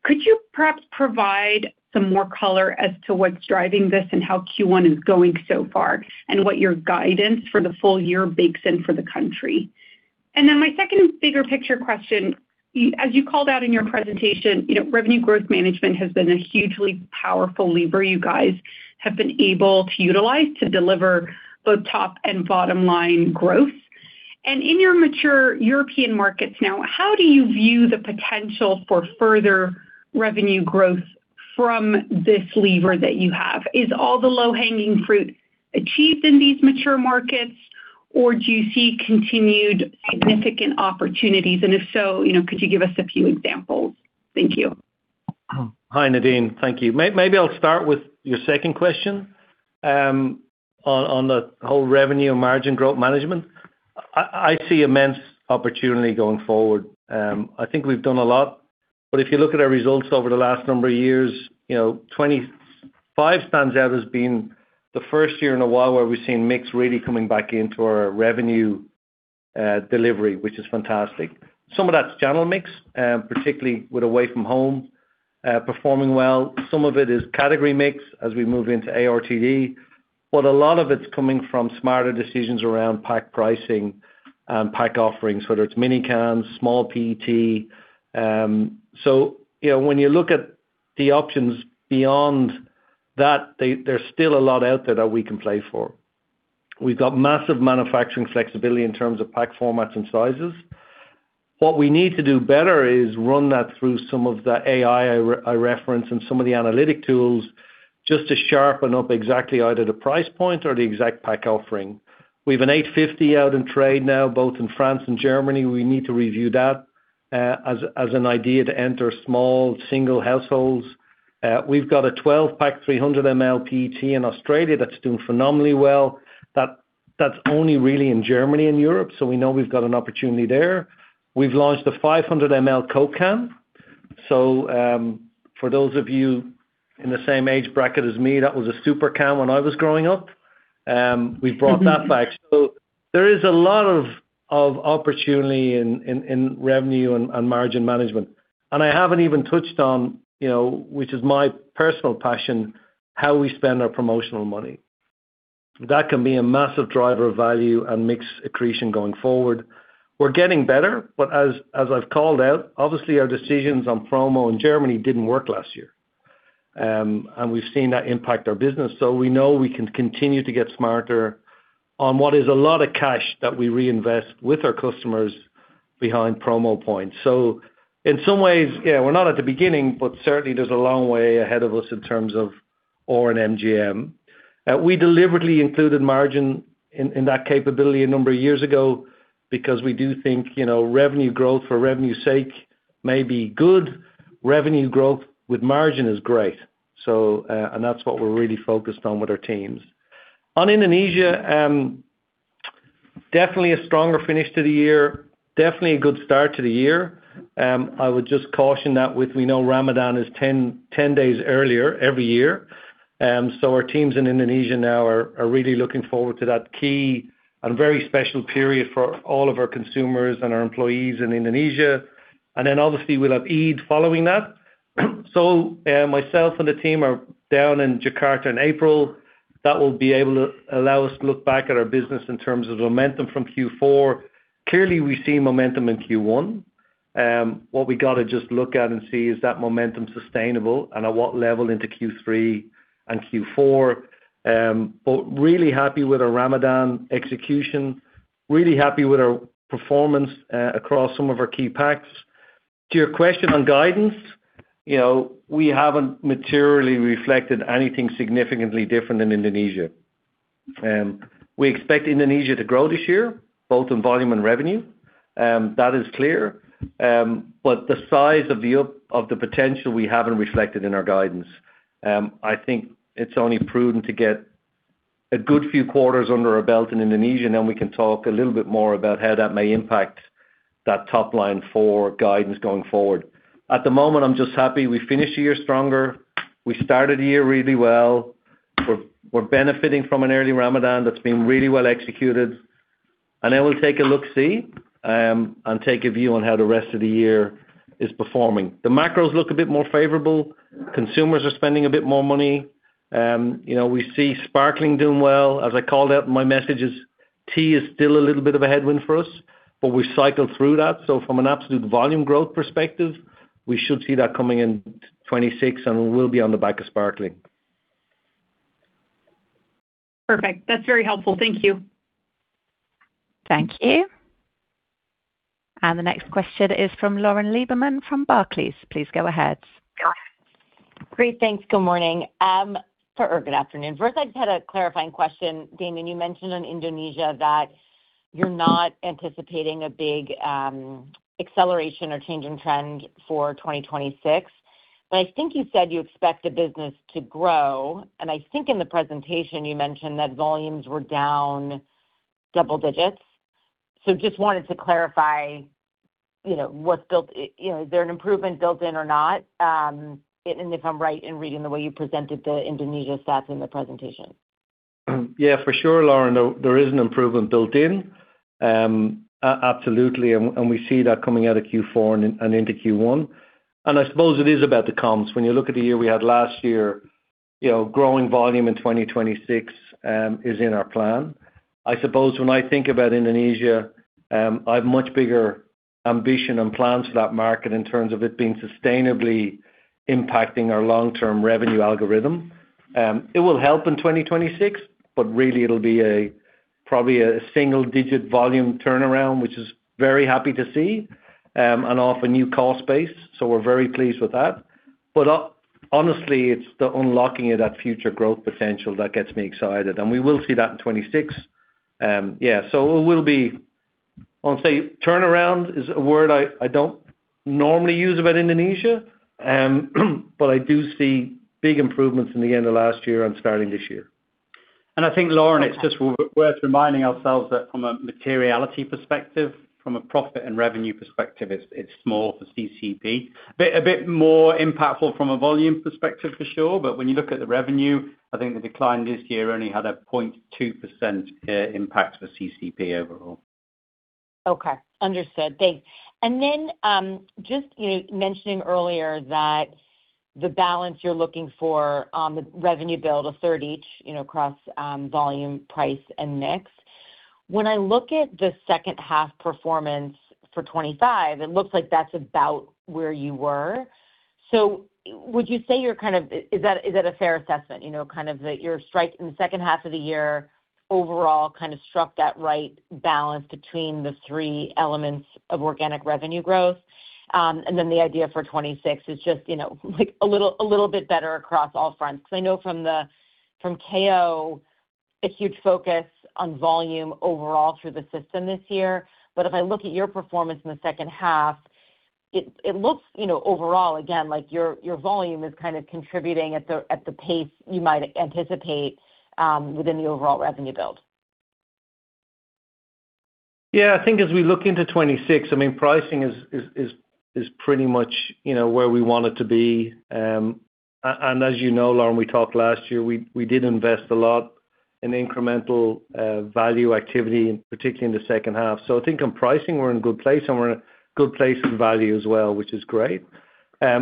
S10: Could you perhaps provide some more color as to what's driving this and how Q1 is going so far, and what your guidance for the full year bakes in for the country? And then my second bigger picture question, as you called out in your presentation, you know, revenue growth management has been a hugely powerful lever you guys have been able to utilize to deliver both top and bottom line growth. And in your mature European markets now, how do you view the potential for further revenue growth from this lever that you have? Is all the low-hanging fruit achieved in these mature markets, or do you see continued significant opportunities? And if so, you know, could you give us a few examples? Thank you.
S3: Hi, Nadine. Thank you. Maybe I'll start with your second question, on the whole revenue and margin growth management. I see immense opportunity going forward. I think we've done a lot, but if you look at our results over the last number of years, you know, 2025 stands out as being the first year in a while where we've seen mix really coming back into our revenue delivery, which is fantastic. Some of that's channel mix, particularly with away from home performing well. Some of it is category mix as we move into ARTD, but a lot of it's coming from smarter decisions around pack pricing and pack offerings, whether it's mini cans, small PET. So, you know, when you look at the options beyond that, there's still a lot out there that we can play for. We've got massive manufacturing flexibility in terms of pack formats and sizes. What we need to do better is run that through some of the AI I referenced, and some of the analytic tools, just to sharpen up exactly either the price point or the exact pack offering. We have an 850 out in trade now, both in France and Germany. We need to review that, as an idea to enter small single households. We've got a 12-pack, 300 ml PET in Australia that's doing phenomenally well. That, that's only really in Germany and Europe, so we know we've got an opportunity there. We've launched the 500 ml Coke can. So, for those of you in the same age bracket as me, that was a super can when I was growing up. We've brought that back. So there is a lot of opportunity in revenue and margin management. And I haven't even touched on, you know, which is my personal passion, how we spend our promotional money. That can be a massive driver of value and mix accretion going forward. We're getting better, but as I've called out, obviously, our decisions on promo in Germany didn't work last year. And we've seen that impact our business, so we know we can continue to get smarter on what is a lot of cash that we reinvest with our customers behind promo points. So in some ways, yeah, we're not at the beginning, but certainly there's a long way ahead of us in terms of R&MGM. We deliberately included margin in that capability a number of years ago because we do think, you know, revenue growth for revenue's sake may be good. Revenue growth with margin is great. And that's what we're really focused on with our teams. On Indonesia, definitely a stronger finish to the year. Definitely a good start to the year. I would just caution that with, we know Ramadan is 10 days earlier every year. So our teams in Indonesia now are really looking forward to that key and very special period for all of our consumers and our employees in Indonesia. And then obviously, we'll have Eid following that. So, myself and the team are down in Jakarta in April. That will be able to allow us to look back at our business in terms of momentum from Q4. Clearly, we see momentum in Q1. What we got to just look at and see is that momentum sustainable, and at what level into Q3 and Q4? Really happy with our Ramadan execution. Really happy with our performance across some of our key packs. To your question on guidance, you know, we haven't materially reflected anything significantly different in Indonesia. We expect Indonesia to grow this year, both in volume and revenue; that is clear. But the size of the upside potential, we haven't reflected in our guidance. I think it's only prudent to get a good few quarters under our belt in Indonesia, and then we can talk a little bit more about how that may impact that top line for guidance going forward. At the moment, I'm just happy we finished the year stronger. We started the year really well. We're benefiting from an early Ramadan that's been really well executed, and then we'll take a look see and take a view on how the rest of the year is performing. The macros look a bit more favorable. Consumers are spending a bit more money. You know, we see sparkling doing well. As I called out, my message is, tea is still a little bit of a headwind for us, but we've cycled through that. So from an absolute volume growth perspective, we should see that coming in 2026, and we'll be on the back of sparkling.
S10: Perfect. That's very helpful. Thank you.
S1: Thank you. The next question is from Lauren Lieberman from Barclays. Please go ahead.
S7: Great, thanks. Good morning or good afternoon. First, I just had a clarifying question. Damian, you mentioned on Indonesia that you're not anticipating a big acceleration or change in trend for 2026. But I think you said you expect the business to grow, and I think in the presentation you mentioned that volumes were down double digits. So just wanted to clarify, you know, what's built, you know, is there an improvement built in or not, and if I'm right in reading the way you presented the Indonesia stats in the presentation?
S3: Yeah, for sure, Lauren, there is an improvement built in. Absolutely, and we see that coming out of Q4 and into Q1. I suppose it is about the comps. When you look at the year we had last year, you know, growing volume in 2026 is in our plan. I suppose when I think about Indonesia, I've much bigger ambition and plans for that market in terms of it being sustainably impacting our long-term revenue algorithm. It will help in 2026, but really it'll be a probably a single-digit volume turnaround, which is very happy to see, and off a new cost base. So we're very pleased with that. But honestly, it's the unlocking of that future growth potential that gets me excited, and we will see that in 2026. Yeah, so it will be. I'll say, turnaround is a word I don't normally use about Indonesia, but I do see big improvements in the end of last year and starting this year.
S4: I think, Lauren, it's just worth reminding ourselves that from a materiality perspective, from a profit and revenue perspective, it's small for CCEP. A bit more impactful from a volume perspective, for sure. But when you look at the revenue, I think the decline this year only had a 0.2% impact for CCEP overall.
S7: Okay. Understood. Thanks. And then, just you mentioning earlier that the balance you're looking for on the revenue build, a third each, you know, across volume, price, and mix. When I look at the second half performance for 2025, it looks like that's about where you were. So would you say you're kind of— Is that a fair assessment? You know, kind of that you struck in the second half of the year overall, kind of struck that right balance between the three elements of organic revenue growth. And then the idea for 2026 is just, you know, like, a little, a little bit better across all fronts. Because I know from KO, a huge focus on volume overall through the system this year. But if I look at your performance in the second half, it looks, you know, overall, again, like your volume is kind of contributing at the pace you might anticipate within the overall revenue build.
S3: Yeah, I think as we look into 2026, I mean, pricing is pretty much, you know, where we want it to be. And as you know, Lauren, we talked last year, we did invest a lot in incremental value activity, particularly in the second half. So I think in pricing, we're in a good place, and we're in a good place in value as well, which is great.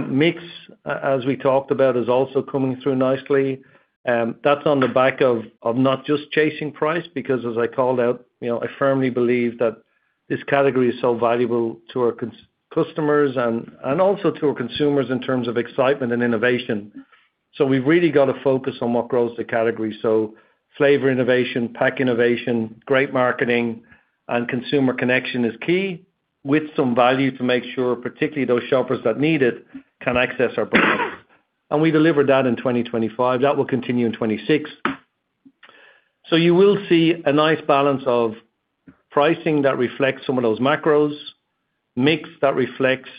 S3: Mix, as we talked about, is also coming through nicely. That's on the back of not just chasing price, because as I called out, you know, I firmly believe that this category is so valuable to our customers and also to our consumers in terms of excitement and innovation. So we've really got to focus on what grows the category. So flavor innovation, pack innovation, great marketing and consumer connection is key, with some value to make sure, particularly those shoppers that need it, can access our products. We delivered that in 2025. That will continue in 2026. You will see a nice balance of pricing that reflects some of those macros, mix that reflects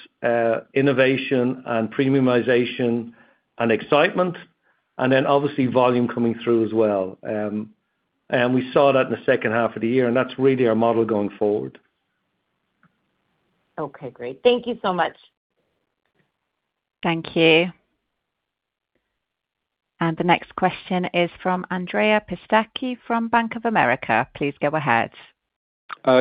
S3: innovation and premiumization and excitement, and then obviously volume coming through as well. And we saw that in the second half of the year, and that's really our model going forward.
S7: Okay, great. Thank you so much.
S1: Thank you. The next question is from Andrea Pistacchi from Bank of America. Please go ahead.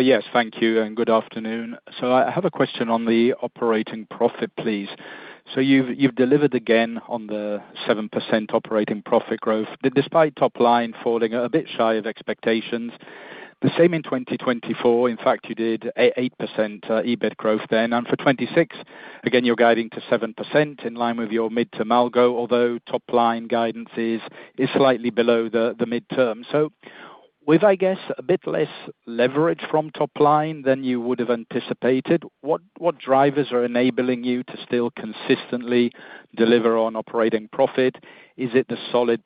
S11: Yes, thank you, and good afternoon. So I have a question on the operating profit, please. So you've delivered again on the 7% operating profit growth, despite top line falling a bit shy of expectations. The same in 2024. In fact, you did 8% EBIT growth then. And for 2026, again, you're guiding to 7% in line with your mid-term algo, although top line guidance is slightly below the midterm. So with, I guess, a bit less leverage from top line than you would have anticipated, what drivers are enabling you to still consistently deliver on operating profit? Is it the solid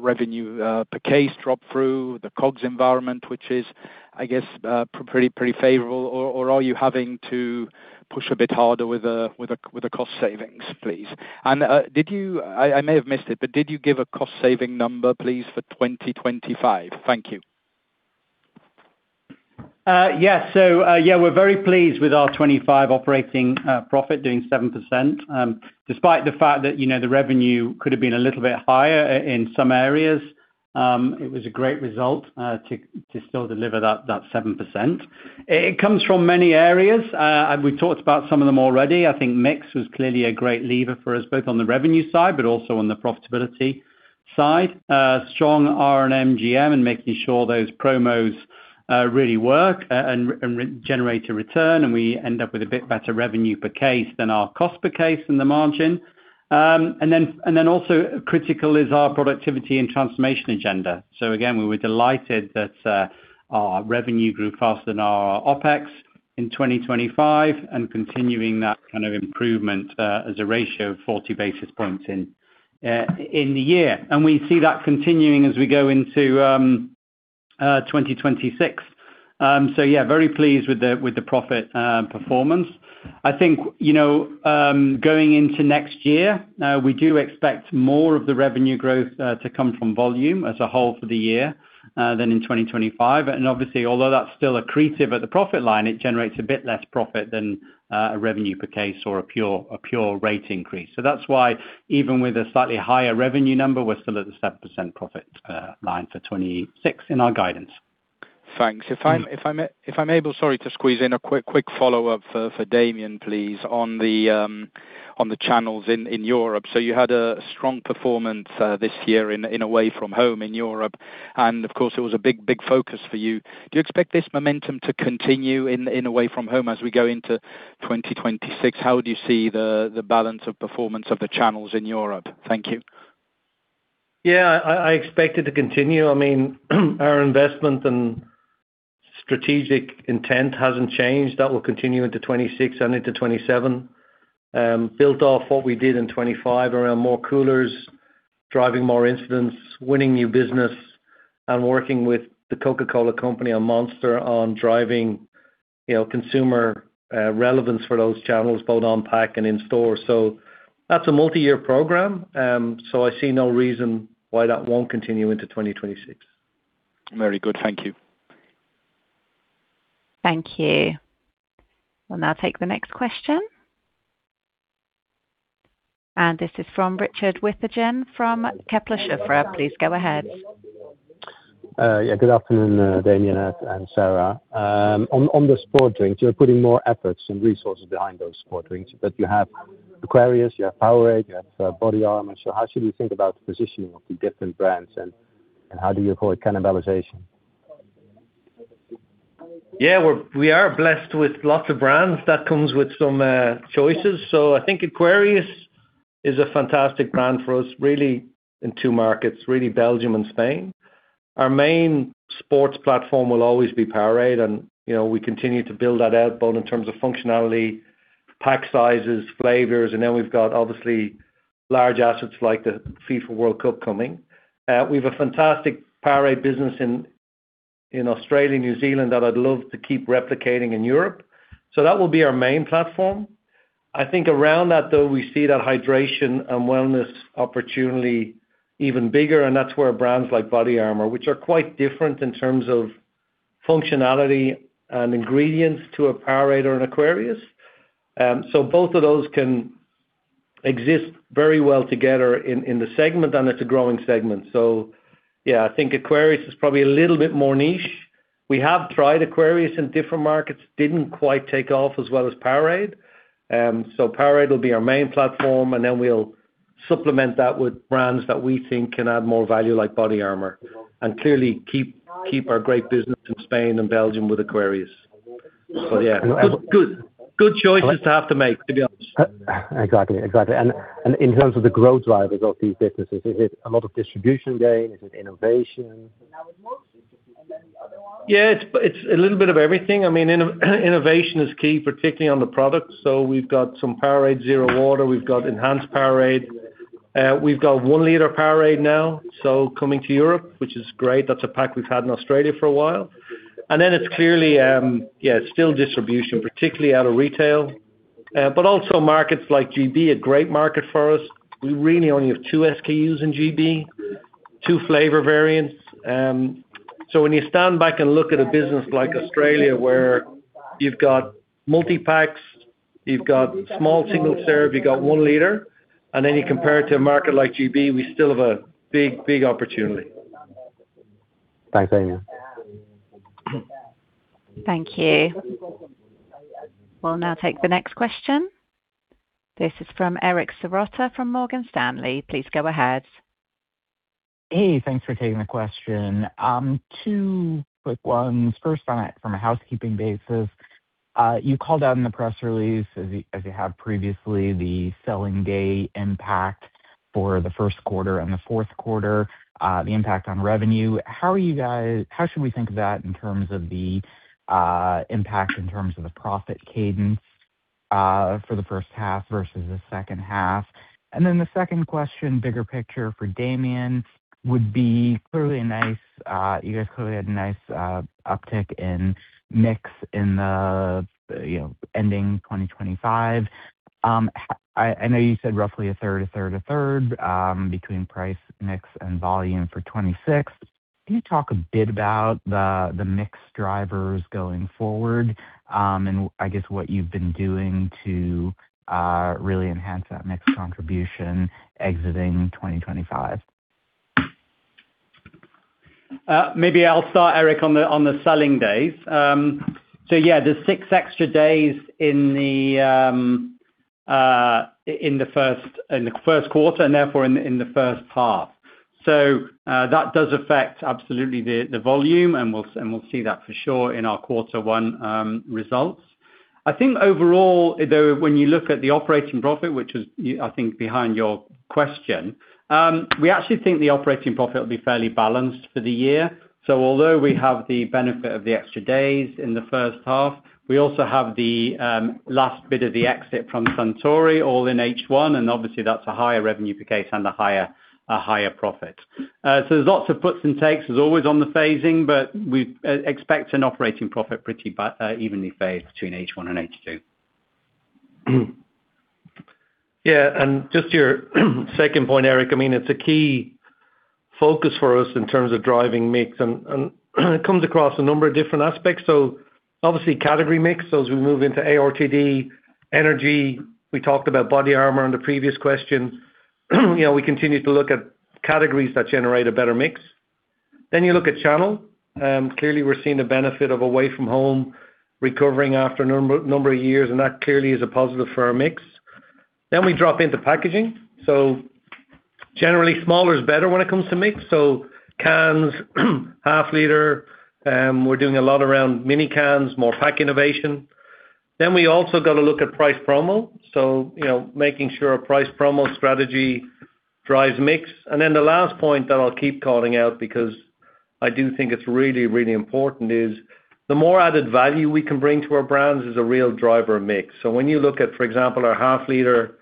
S11: revenue per case drop through, the COGS environment, which is, I guess, pretty, pretty favorable, or are you having to push a bit harder with the cost savings, please? And, I may have missed it, but did you give a cost saving number, please, for 2025? Thank you.
S3: Yes. So, yeah, we're very pleased with our 2025 operating profit doing 7%. Despite the fact that, you know, the revenue could have been a little bit higher, in some areas, it was a great result to still deliver that 7%. It comes from many areas. And we talked about some of them already. I think mix was clearly a great lever for us, both on the revenue side, but also on the profitability side. Strong R&MGM and making sure those promos really work, and regenerate a return, and we end up with a bit better revenue per case than our cost per case in the margin. And then also critical is our productivity and transformation agenda. So again, we were delighted that our revenue grew faster than our OpEx in 2025, and continuing that kind of improvement as a ratio of 40 basis points in the year. And we see that continuing as we go into 2026. So yeah, very pleased with the profit performance. I think, you know, going into next year, we do expect more of the revenue growth to come from volume as a whole for the year than in 2025. And obviously, although that's still accretive at the profit line, it generates a bit less profit than a revenue per case or a pure rate increase. So that's why even with a slightly higher revenue number, we're still at the 7% profit line for 2026 in our guidance.
S11: Thanks. If I'm able, sorry, to squeeze in a quick follow-up for Damian, please, on the channels in Europe. So you had a strong performance this year in away from home in Europe, and of course, it was a big focus for you. Do you expect this momentum to continue in away from home as we go into 2026? How do you see the balance of performance of the channels in Europe? Thank you.
S3: Yeah, I, I expect it to continue. I mean, our investment and strategic intent hasn't changed. That will continue into 2026 and into 2027. Built off what we did in 2025 around more coolers, driving more incidents, winning new business, and working with the Coca-Cola Company on Monster, on driving, you know, consumer relevance for those channels, both on pack and in store. So that's a multi-year program. So I see no reason why that won't continue into 2026.
S11: Very good. Thank you.
S1: Thank you. We'll now take the next question. This is from Richard Withagen from Kepler Cheuvreux. Please go ahead.
S12: Yeah, good afternoon, Damian and Sarah. On the sports drinks, you're putting more efforts and resources behind those sports drinks, but you have Aquarius, you have Powerade, you have BODYARMOR. So how should we think about the positioning of the different brands, and how do you call it cannibalization?
S3: Yeah, we are blessed with lots of brands that comes with some choices. So I think Aquarius is a fantastic brand for us, really in two markets, really Belgium and Spain. Our main sports platform will always be Powerade, and, you know, we continue to build that out, both in terms of functionality, pack sizes, flavors, and then we've got obviously large assets like the FIFA World Cup coming. We've a fantastic Powerade business in Australia and New Zealand that I'd love to keep replicating in Europe. So that will be our main platform. I think around that, though, we see that hydration and wellness opportunity even bigger, and that's where brands like BODYARMOR, which are quite different in terms of functionality and ingredients to a Powerade or an Aquarius. So both of those can exist very well together in the segment, and it's a growing segment. So yeah, I think Aquarius is probably a little bit more niche. We have tried Aquarius in different markets, didn't quite take off as well as Powerade. So Powerade will be our main platform, and then we'll supplement that with brands that we think can add more value, like BODYARMOR, and clearly keep our great business in Spain and Belgium with Aquarius. So yeah, good, good, good choices to have to make, to be honest.
S12: Exactly. Exactly. And, and in terms of the growth drivers of these businesses, is it a lot of distribution gain? Is it innovation?
S3: Yeah, it's a little bit of everything. I mean, innovation is key, particularly on the products. So we've got some Powerade Zero water, we've got enhanced Powerade. We've got one liter Powerade now, so coming to Europe, which is great. That's a pack we've had in Australia for a while. And then it's clearly, it's still distribution, particularly out of retail, but also markets like GB, a great market for us. We really only have two SKUs in GB, two flavor variants. So when you stand back and look at a business like Australia, where you've got multi-packs, you've got small single serve, you've got one liter, and then you compare it to a market like GB, we still have a big, big opportunity.
S13: Thanks, Damien.
S1: Thank you. We'll now take the next question. This is from Eric Serotta from Morgan Stanley. Please go ahead.
S14: Hey, thanks for taking the question. Two quick ones. First, from a housekeeping basis, you called out in the press release, as you have previously, the selling day impact for the first quarter and the fourth quarter, the impact on revenue. How should we think of that in terms of the impact in terms of the profit cadence, for the first half versus the second half? And then the second question, bigger picture for Damian, would be clearly a nice, you guys clearly had a nice, uptick in mix in the, you know, ending 2025. I know you said roughly a third, a third, a third, between price, mix and volume for 2026. Can you talk a bit about the mix drivers going forward? I guess, what you've been doing to really enhance that mix contribution exiting 2025?
S4: Maybe I'll start, Eric, on the selling days. So yeah, there's six extra days in the first quarter and therefore in the first half. So that does affect absolutely the volume, and we'll see that for sure in our quarter one results. I think overall, though, when you look at the operating profit, which I think is behind your question, we actually think the operating profit will be fairly balanced for the year. So although we have the benefit of the extra days in the first half, we also have the last bit of the exit from Suntory, all in H1, and obviously that's a higher revenue per case and a higher profit. So, there's lots of puts and takes, as always, on the phasing, but we expect an operating profit pretty evenly phased between H1 and H2.
S3: Yeah, and just to your second point, Eric, I mean, it's a key focus for us in terms of driving mix and it comes across a number of different aspects. So obviously, category mix. So as we move into ARTD, energy, we talked about BODYARMOR in the previous question. You know, we continue to look at categories that generate a better mix. Then you look at channel. Clearly we're seeing the benefit of away from home recovering after a number of years, and that clearly is a positive for our mix. Then we drop into packaging. So generally, smaller is better when it comes to mix. So cans, half liter, we're doing a lot around mini cans, more pack innovation. Then we also got to look at price promo. So, you know, making sure our price promo strategy drives mix. And then the last point that I'll keep calling out, because I do think it's really, really important, is the more added value we can bring to our brands is a real driver mix. So when you look at, for example, our half liter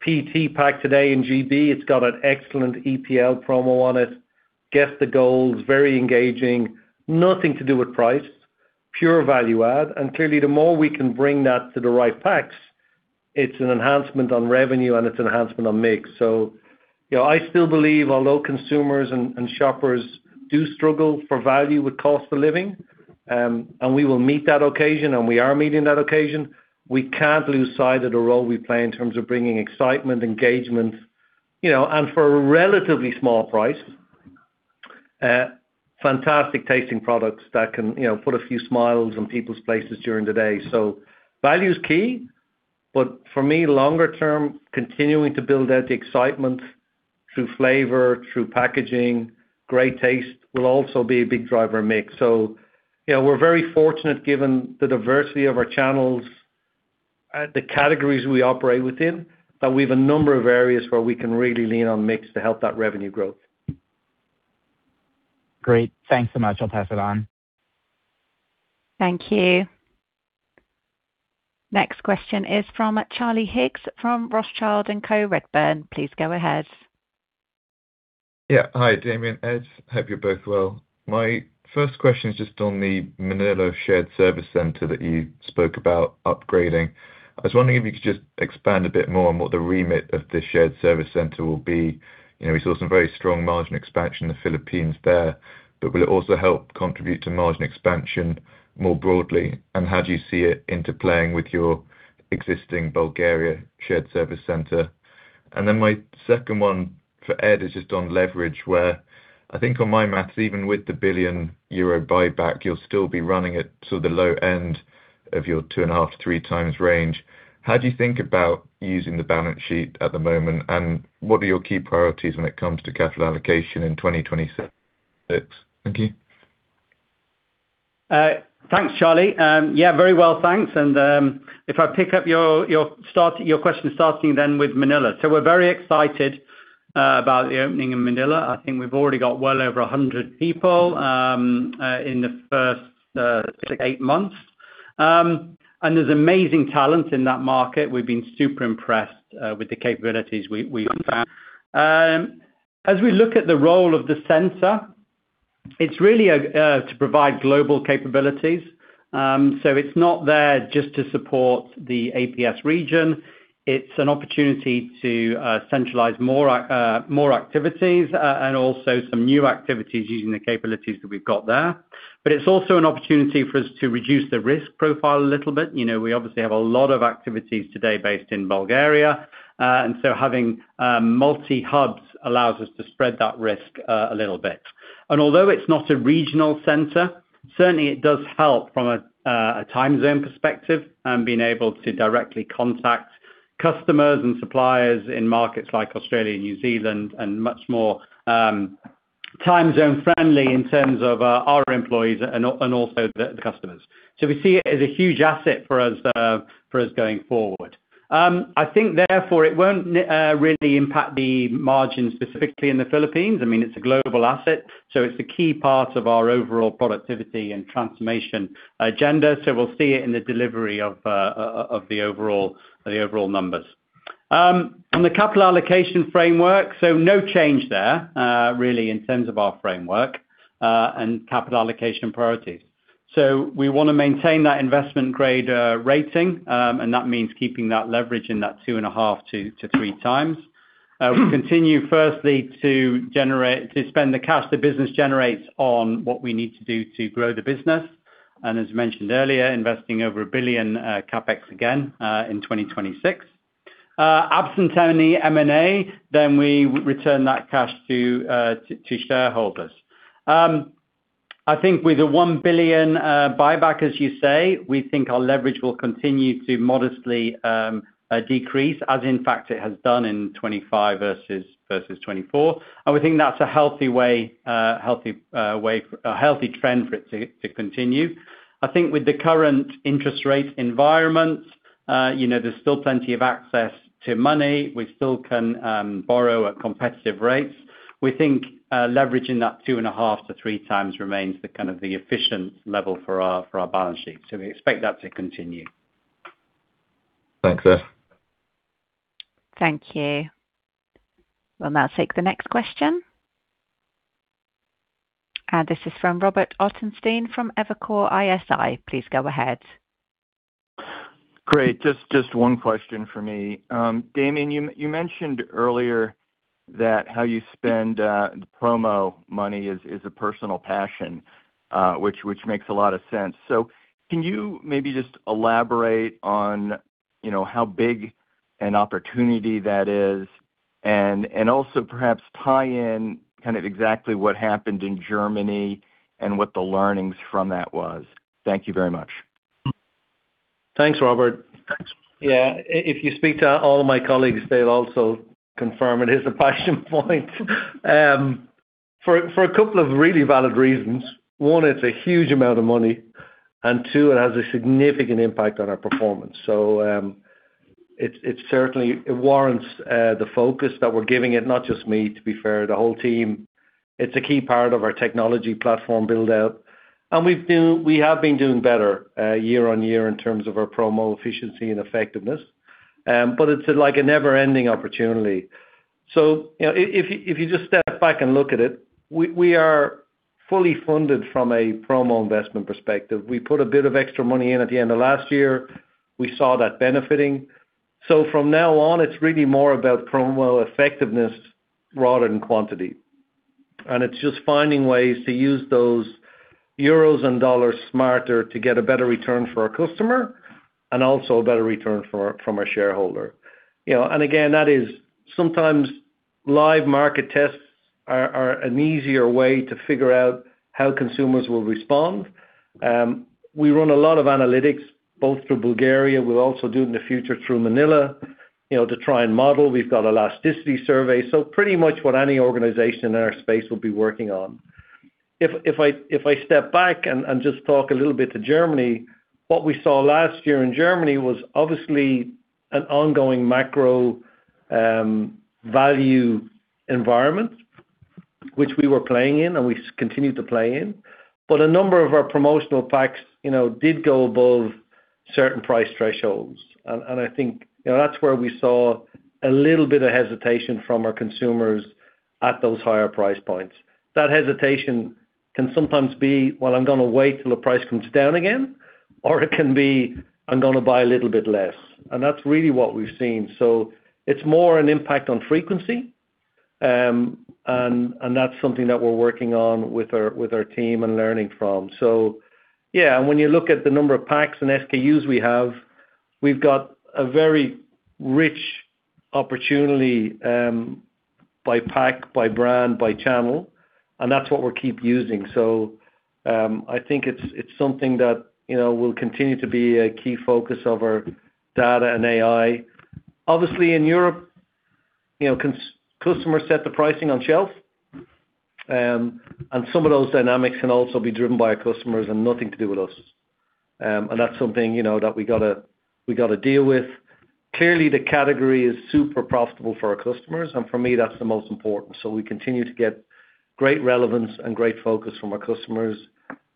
S3: PET pack today in GB, it's got an excellent EPL promo on it. Guess the Goal, very engaging, nothing to do with price, pure value add. And clearly, the more we can bring that to the right packs, it's an enhancement on revenue and it's an enhancement on mix. So, you know, I still believe, although consumers and shoppers do struggle for value with cost of living, and we will meet that occasion, and we are meeting that occasion, we can't lose sight of the role we play in terms of bringing excitement, engagement, you know, and for a relatively small price, fantastic tasting products that can, you know, put a few smiles on people's places during the day. So value is key, but for me, longer term, continuing to build out the excitement through flavor, through packaging, great taste, will also be a big driver mix. So, you know, we're very fortunate given the diversity of our channels, the categories we operate within, that we've a number of areas where we can really lean on mix to help that revenue growth.
S14: Great. Thanks so much. I'll pass it on.
S1: Thank you. Next question is from Charlie Higgs, from Rothschild & Co Redburn. Please go ahead.
S13: Yeah. Hi, Damian, Ed, hope you're both well. My first question is just on the Manila shared service center that you spoke about upgrading. I was wondering if you could just expand a bit more on what the remit of this shared service center will be. You know, we saw some very strong margin expansion in the Philippines there, but will it also help contribute to margin expansion more broadly? And how do you see it interplaying with your existing Bulgaria shared service center? And then my second one for Ed is just on leverage, where I think on my math, even with the 1 billion euro buyback, you'll still be running at sort of the low end of your 2.5x-3x range. How do you think about using the balance sheet at the moment, and what are your key priorities when it comes to capital allocation in 2026? Thank you.
S4: Thanks, Charlie. Yeah, very well, thanks. And, if I pick up your, your start, your question starting then with Manila. So we're very excited about the opening in Manila. I think we've already got well over 100 people in the first 8 months. ...
S3: And there's amazing talent in that market. We've been super impressed with the capabilities we found. As we look at the role of the center, it's really to provide global capabilities. So it's not there just to support the APS region, it's an opportunity to centralize more activities and also some new activities using the capabilities that we've got there. But it's also an opportunity for us to reduce the risk profile a little bit. You know, we obviously have a lot of activities today based in Bulgaria, and so having multi hubs allows us to spread that risk a little bit. Although it's not a regional center, certainly it does help from a time zone perspective, and being able to directly contact customers and suppliers in markets like Australia and New Zealand, and much more time zone friendly in terms of our employees and also the customers. So we see it as a huge asset for us, for us going forward. I think therefore, it won't really impact the margins, specifically in the Philippines. I mean, it's a global asset, so it's a key part of our overall productivity and transformation agenda, so we'll see it in the delivery of the overall numbers. On the capital allocation framework, so no change there, really, in terms of our framework, and capital allocation priorities. So we wanna maintain that investment grade rating, and that means keeping that leverage in that 2.5x-3x. We continue firstly to spend the cash the business generates on what we need to do to grow the business, and as mentioned earlier, investing over 1 billion in CapEx again in 2026. Absent any M&A, then we return that cash to shareholders. I think with the 1 billion buyback, as you say, we think our leverage will continue to modestly decrease, as in fact it has done in 2025 versus 2024. And we think that's a healthy way, a healthy trend for it to continue. I think with the current interest rate environment, you know, there's still plenty of access to money. We still can borrow at competitive rates. We think, leveraging that 2.5x-3x remains the kind of the efficient level for our balance sheet, so we expect that to continue.
S7: Thanks, sir.
S1: Thank you. We'll now take the next question. This is from Robert Ottenstein, from Evercore ISI. Please go ahead.
S15: Great. Just one question for me. Damian, you mentioned earlier that how you spend the promo money is a personal passion, which makes a lot of sense. So can you maybe just elaborate on, you know, how big an opportunity that is, and also perhaps tie in kind of exactly what happened in Germany and what the learnings from that was? Thank you very much.
S3: Thanks, Robert. Yeah. If you speak to all of my colleagues, they'll also confirm it is a passion point for a couple of really valid reasons: one, it's a huge amount of money, and two, it has a significant impact on our performance. So, it's certainly warrants the focus that we're giving it, not just me, to be fair, the whole team. It's a key part of our technology platform build-out, and we've been doing better year-on-year in terms of our promo efficiency and effectiveness. But it's like a never-ending opportunity. So, you know, if you just step back and look at it, we are fully funded from a promo investment perspective. We put a bit of extra money in at the end of last year. We saw that benefiting. So from now on, it's really more about promo effectiveness rather than quantity. And it's just finding ways to use those euros and dollars smarter to get a better return for our customer, and also a better return from our shareholder. You know, and again, that is sometimes live market tests are an easier way to figure out how consumers will respond. We run a lot of analytics, both through Bulgaria, we'll also do in the future through Manila, you know, to try and model. We've got elasticity surveys, so pretty much what any organization in our space will be working on. If I step back and just talk a little bit to Germany, what we saw last year in Germany was obviously an ongoing macro value environment, which we were playing in, and we continued to play in. But a number of our promotional packs, you know, did go above certain price thresholds. And I think, you know, that's where we saw a little bit of hesitation from our consumers at those higher price points. That hesitation can sometimes be, "Well, I'm gonna wait till the price comes down again," or it can be, "I'm gonna buy a little bit less." And that's really what we've seen. So it's more an impact on frequency, and that's something that we're working on with our team and learning from. So yeah, and when you look at the number of packs and SKUs we have, we've got a very rich opportunity by pack, by brand, by channel, and that's what we'll keep using. So I think it's something that, you know, will continue to be a key focus of our data and AI. Obviously, in Europe, you know, customers set the pricing on shelf, and some of those dynamics can also be driven by our customers and nothing to do with us. And that's something, you know, that we gotta deal with. Clearly, the category is super profitable for our customers, and for me, that's the most important. So we continue to get great relevance and great focus from our customers.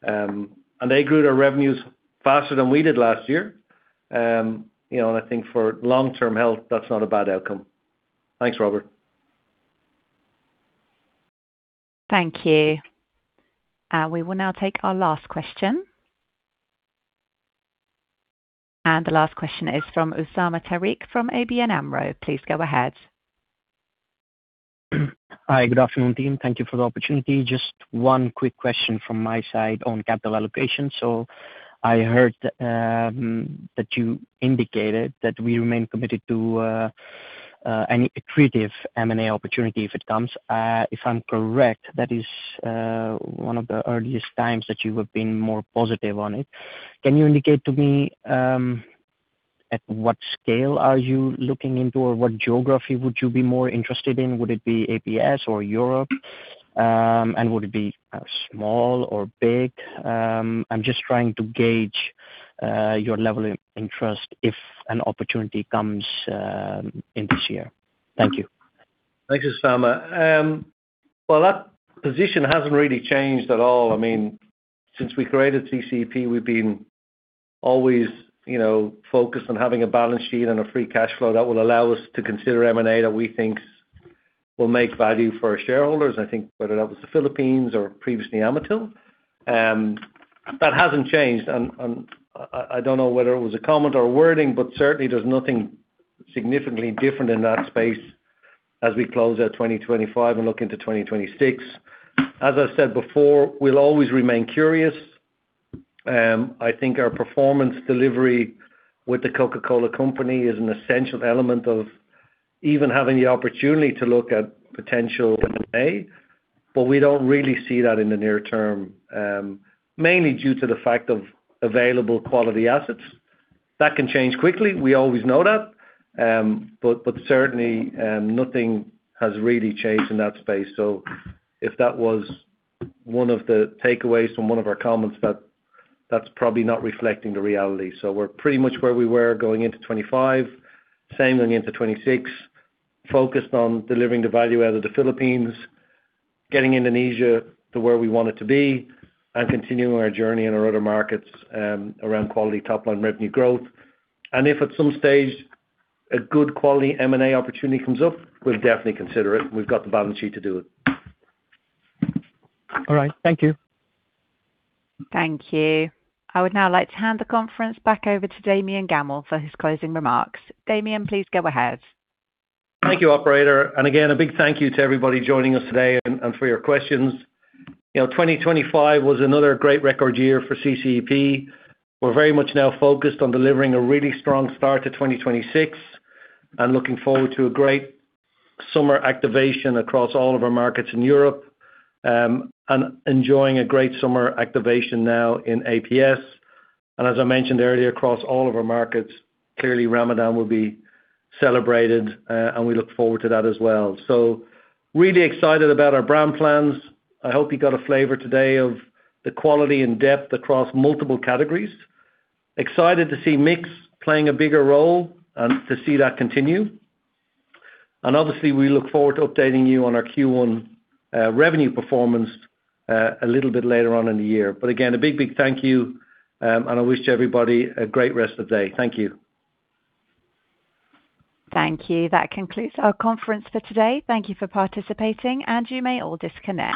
S3: And they grew their revenues faster than we did last year. You know, and I think for long-term health, that's not a bad outcome. Thanks, Robert.
S1: Thank you. We will now take our last question. The last question is from Usama Tariq, from ABN AMRO. Please go ahead.
S16: Hi, good afternoon, team. Thank you for the opportunity. Just one quick question from my side on capital allocation. I heard that you indicated that we remain committed to any accretive M&A opportunity if it comes. If I'm correct, that is one of the earliest times that you have been more positive on it. Can you indicate to me at what scale are you looking into, or what geography would you be more interested in? Would it be APS or Europe? Would it be small or big? I'm just trying to gauge your level of interest if an opportunity comes in this year. Thank you.
S3: Thanks, Usama. Well, that position hasn't really changed at all. I mean, since we created CCEP, we've been always, you know, focused on having a balance sheet and a free cash flow that will allow us to consider M&A, that we think will make value for our shareholders. I think whether that was the Philippines or previously Amatil, that hasn't changed. And I don't know whether it was a comment or wording, but certainly there's nothing significantly different in that space as we close out 2025 and look into 2026. As I said before, we'll always remain curious. I think our performance delivery with The Coca-Cola Company is an essential element of even having the opportunity to look at potential M&A, but we don't really see that in the near term, mainly due to the fact of available quality assets. That can change quickly, we always know that. But certainly, nothing has really changed in that space. So if that was one of the takeaways from one of our comments, that's probably not reflecting the reality. So we're pretty much where we were going into 25, same going into 2026, focused on delivering the value out of the Philippines, getting Indonesia to where we want it to be, and continuing our journey in our other markets, around quality top line revenue growth. And if at some stage, a good quality M&A opportunity comes up, we'll definitely consider it, and we've got the balance sheet to do it.
S16: All right. Thank you.
S1: Thank you. I would now like to hand the conference back over to Damian Gammell for his closing remarks. Damian, please go ahead.
S3: Thank you, operator, and again, a big thank you to everybody joining us today and for your questions. You know, 2025 was another great record year for CCEP. We're very much now focused on delivering a really strong start to 2026, and looking forward to a great summer activation across all of our markets in Europe, and enjoying a great summer activation now in APS. As I mentioned earlier, across all of our markets, clearly Ramadan will be celebrated, and we look forward to that as well. Really excited about our brand plans. I hope you got a flavor today of the quality and depth across multiple categories. Excited to see mix playing a bigger role and to see that continue. And obviously, we look forward to updating you on our Q1 revenue performance a little bit later on in the year. But again, a big, big thank you, and I wish everybody a great rest of the day. Thank you.
S1: Thank you. That concludes our conference for today. Thank you for participating, and you may all disconnect.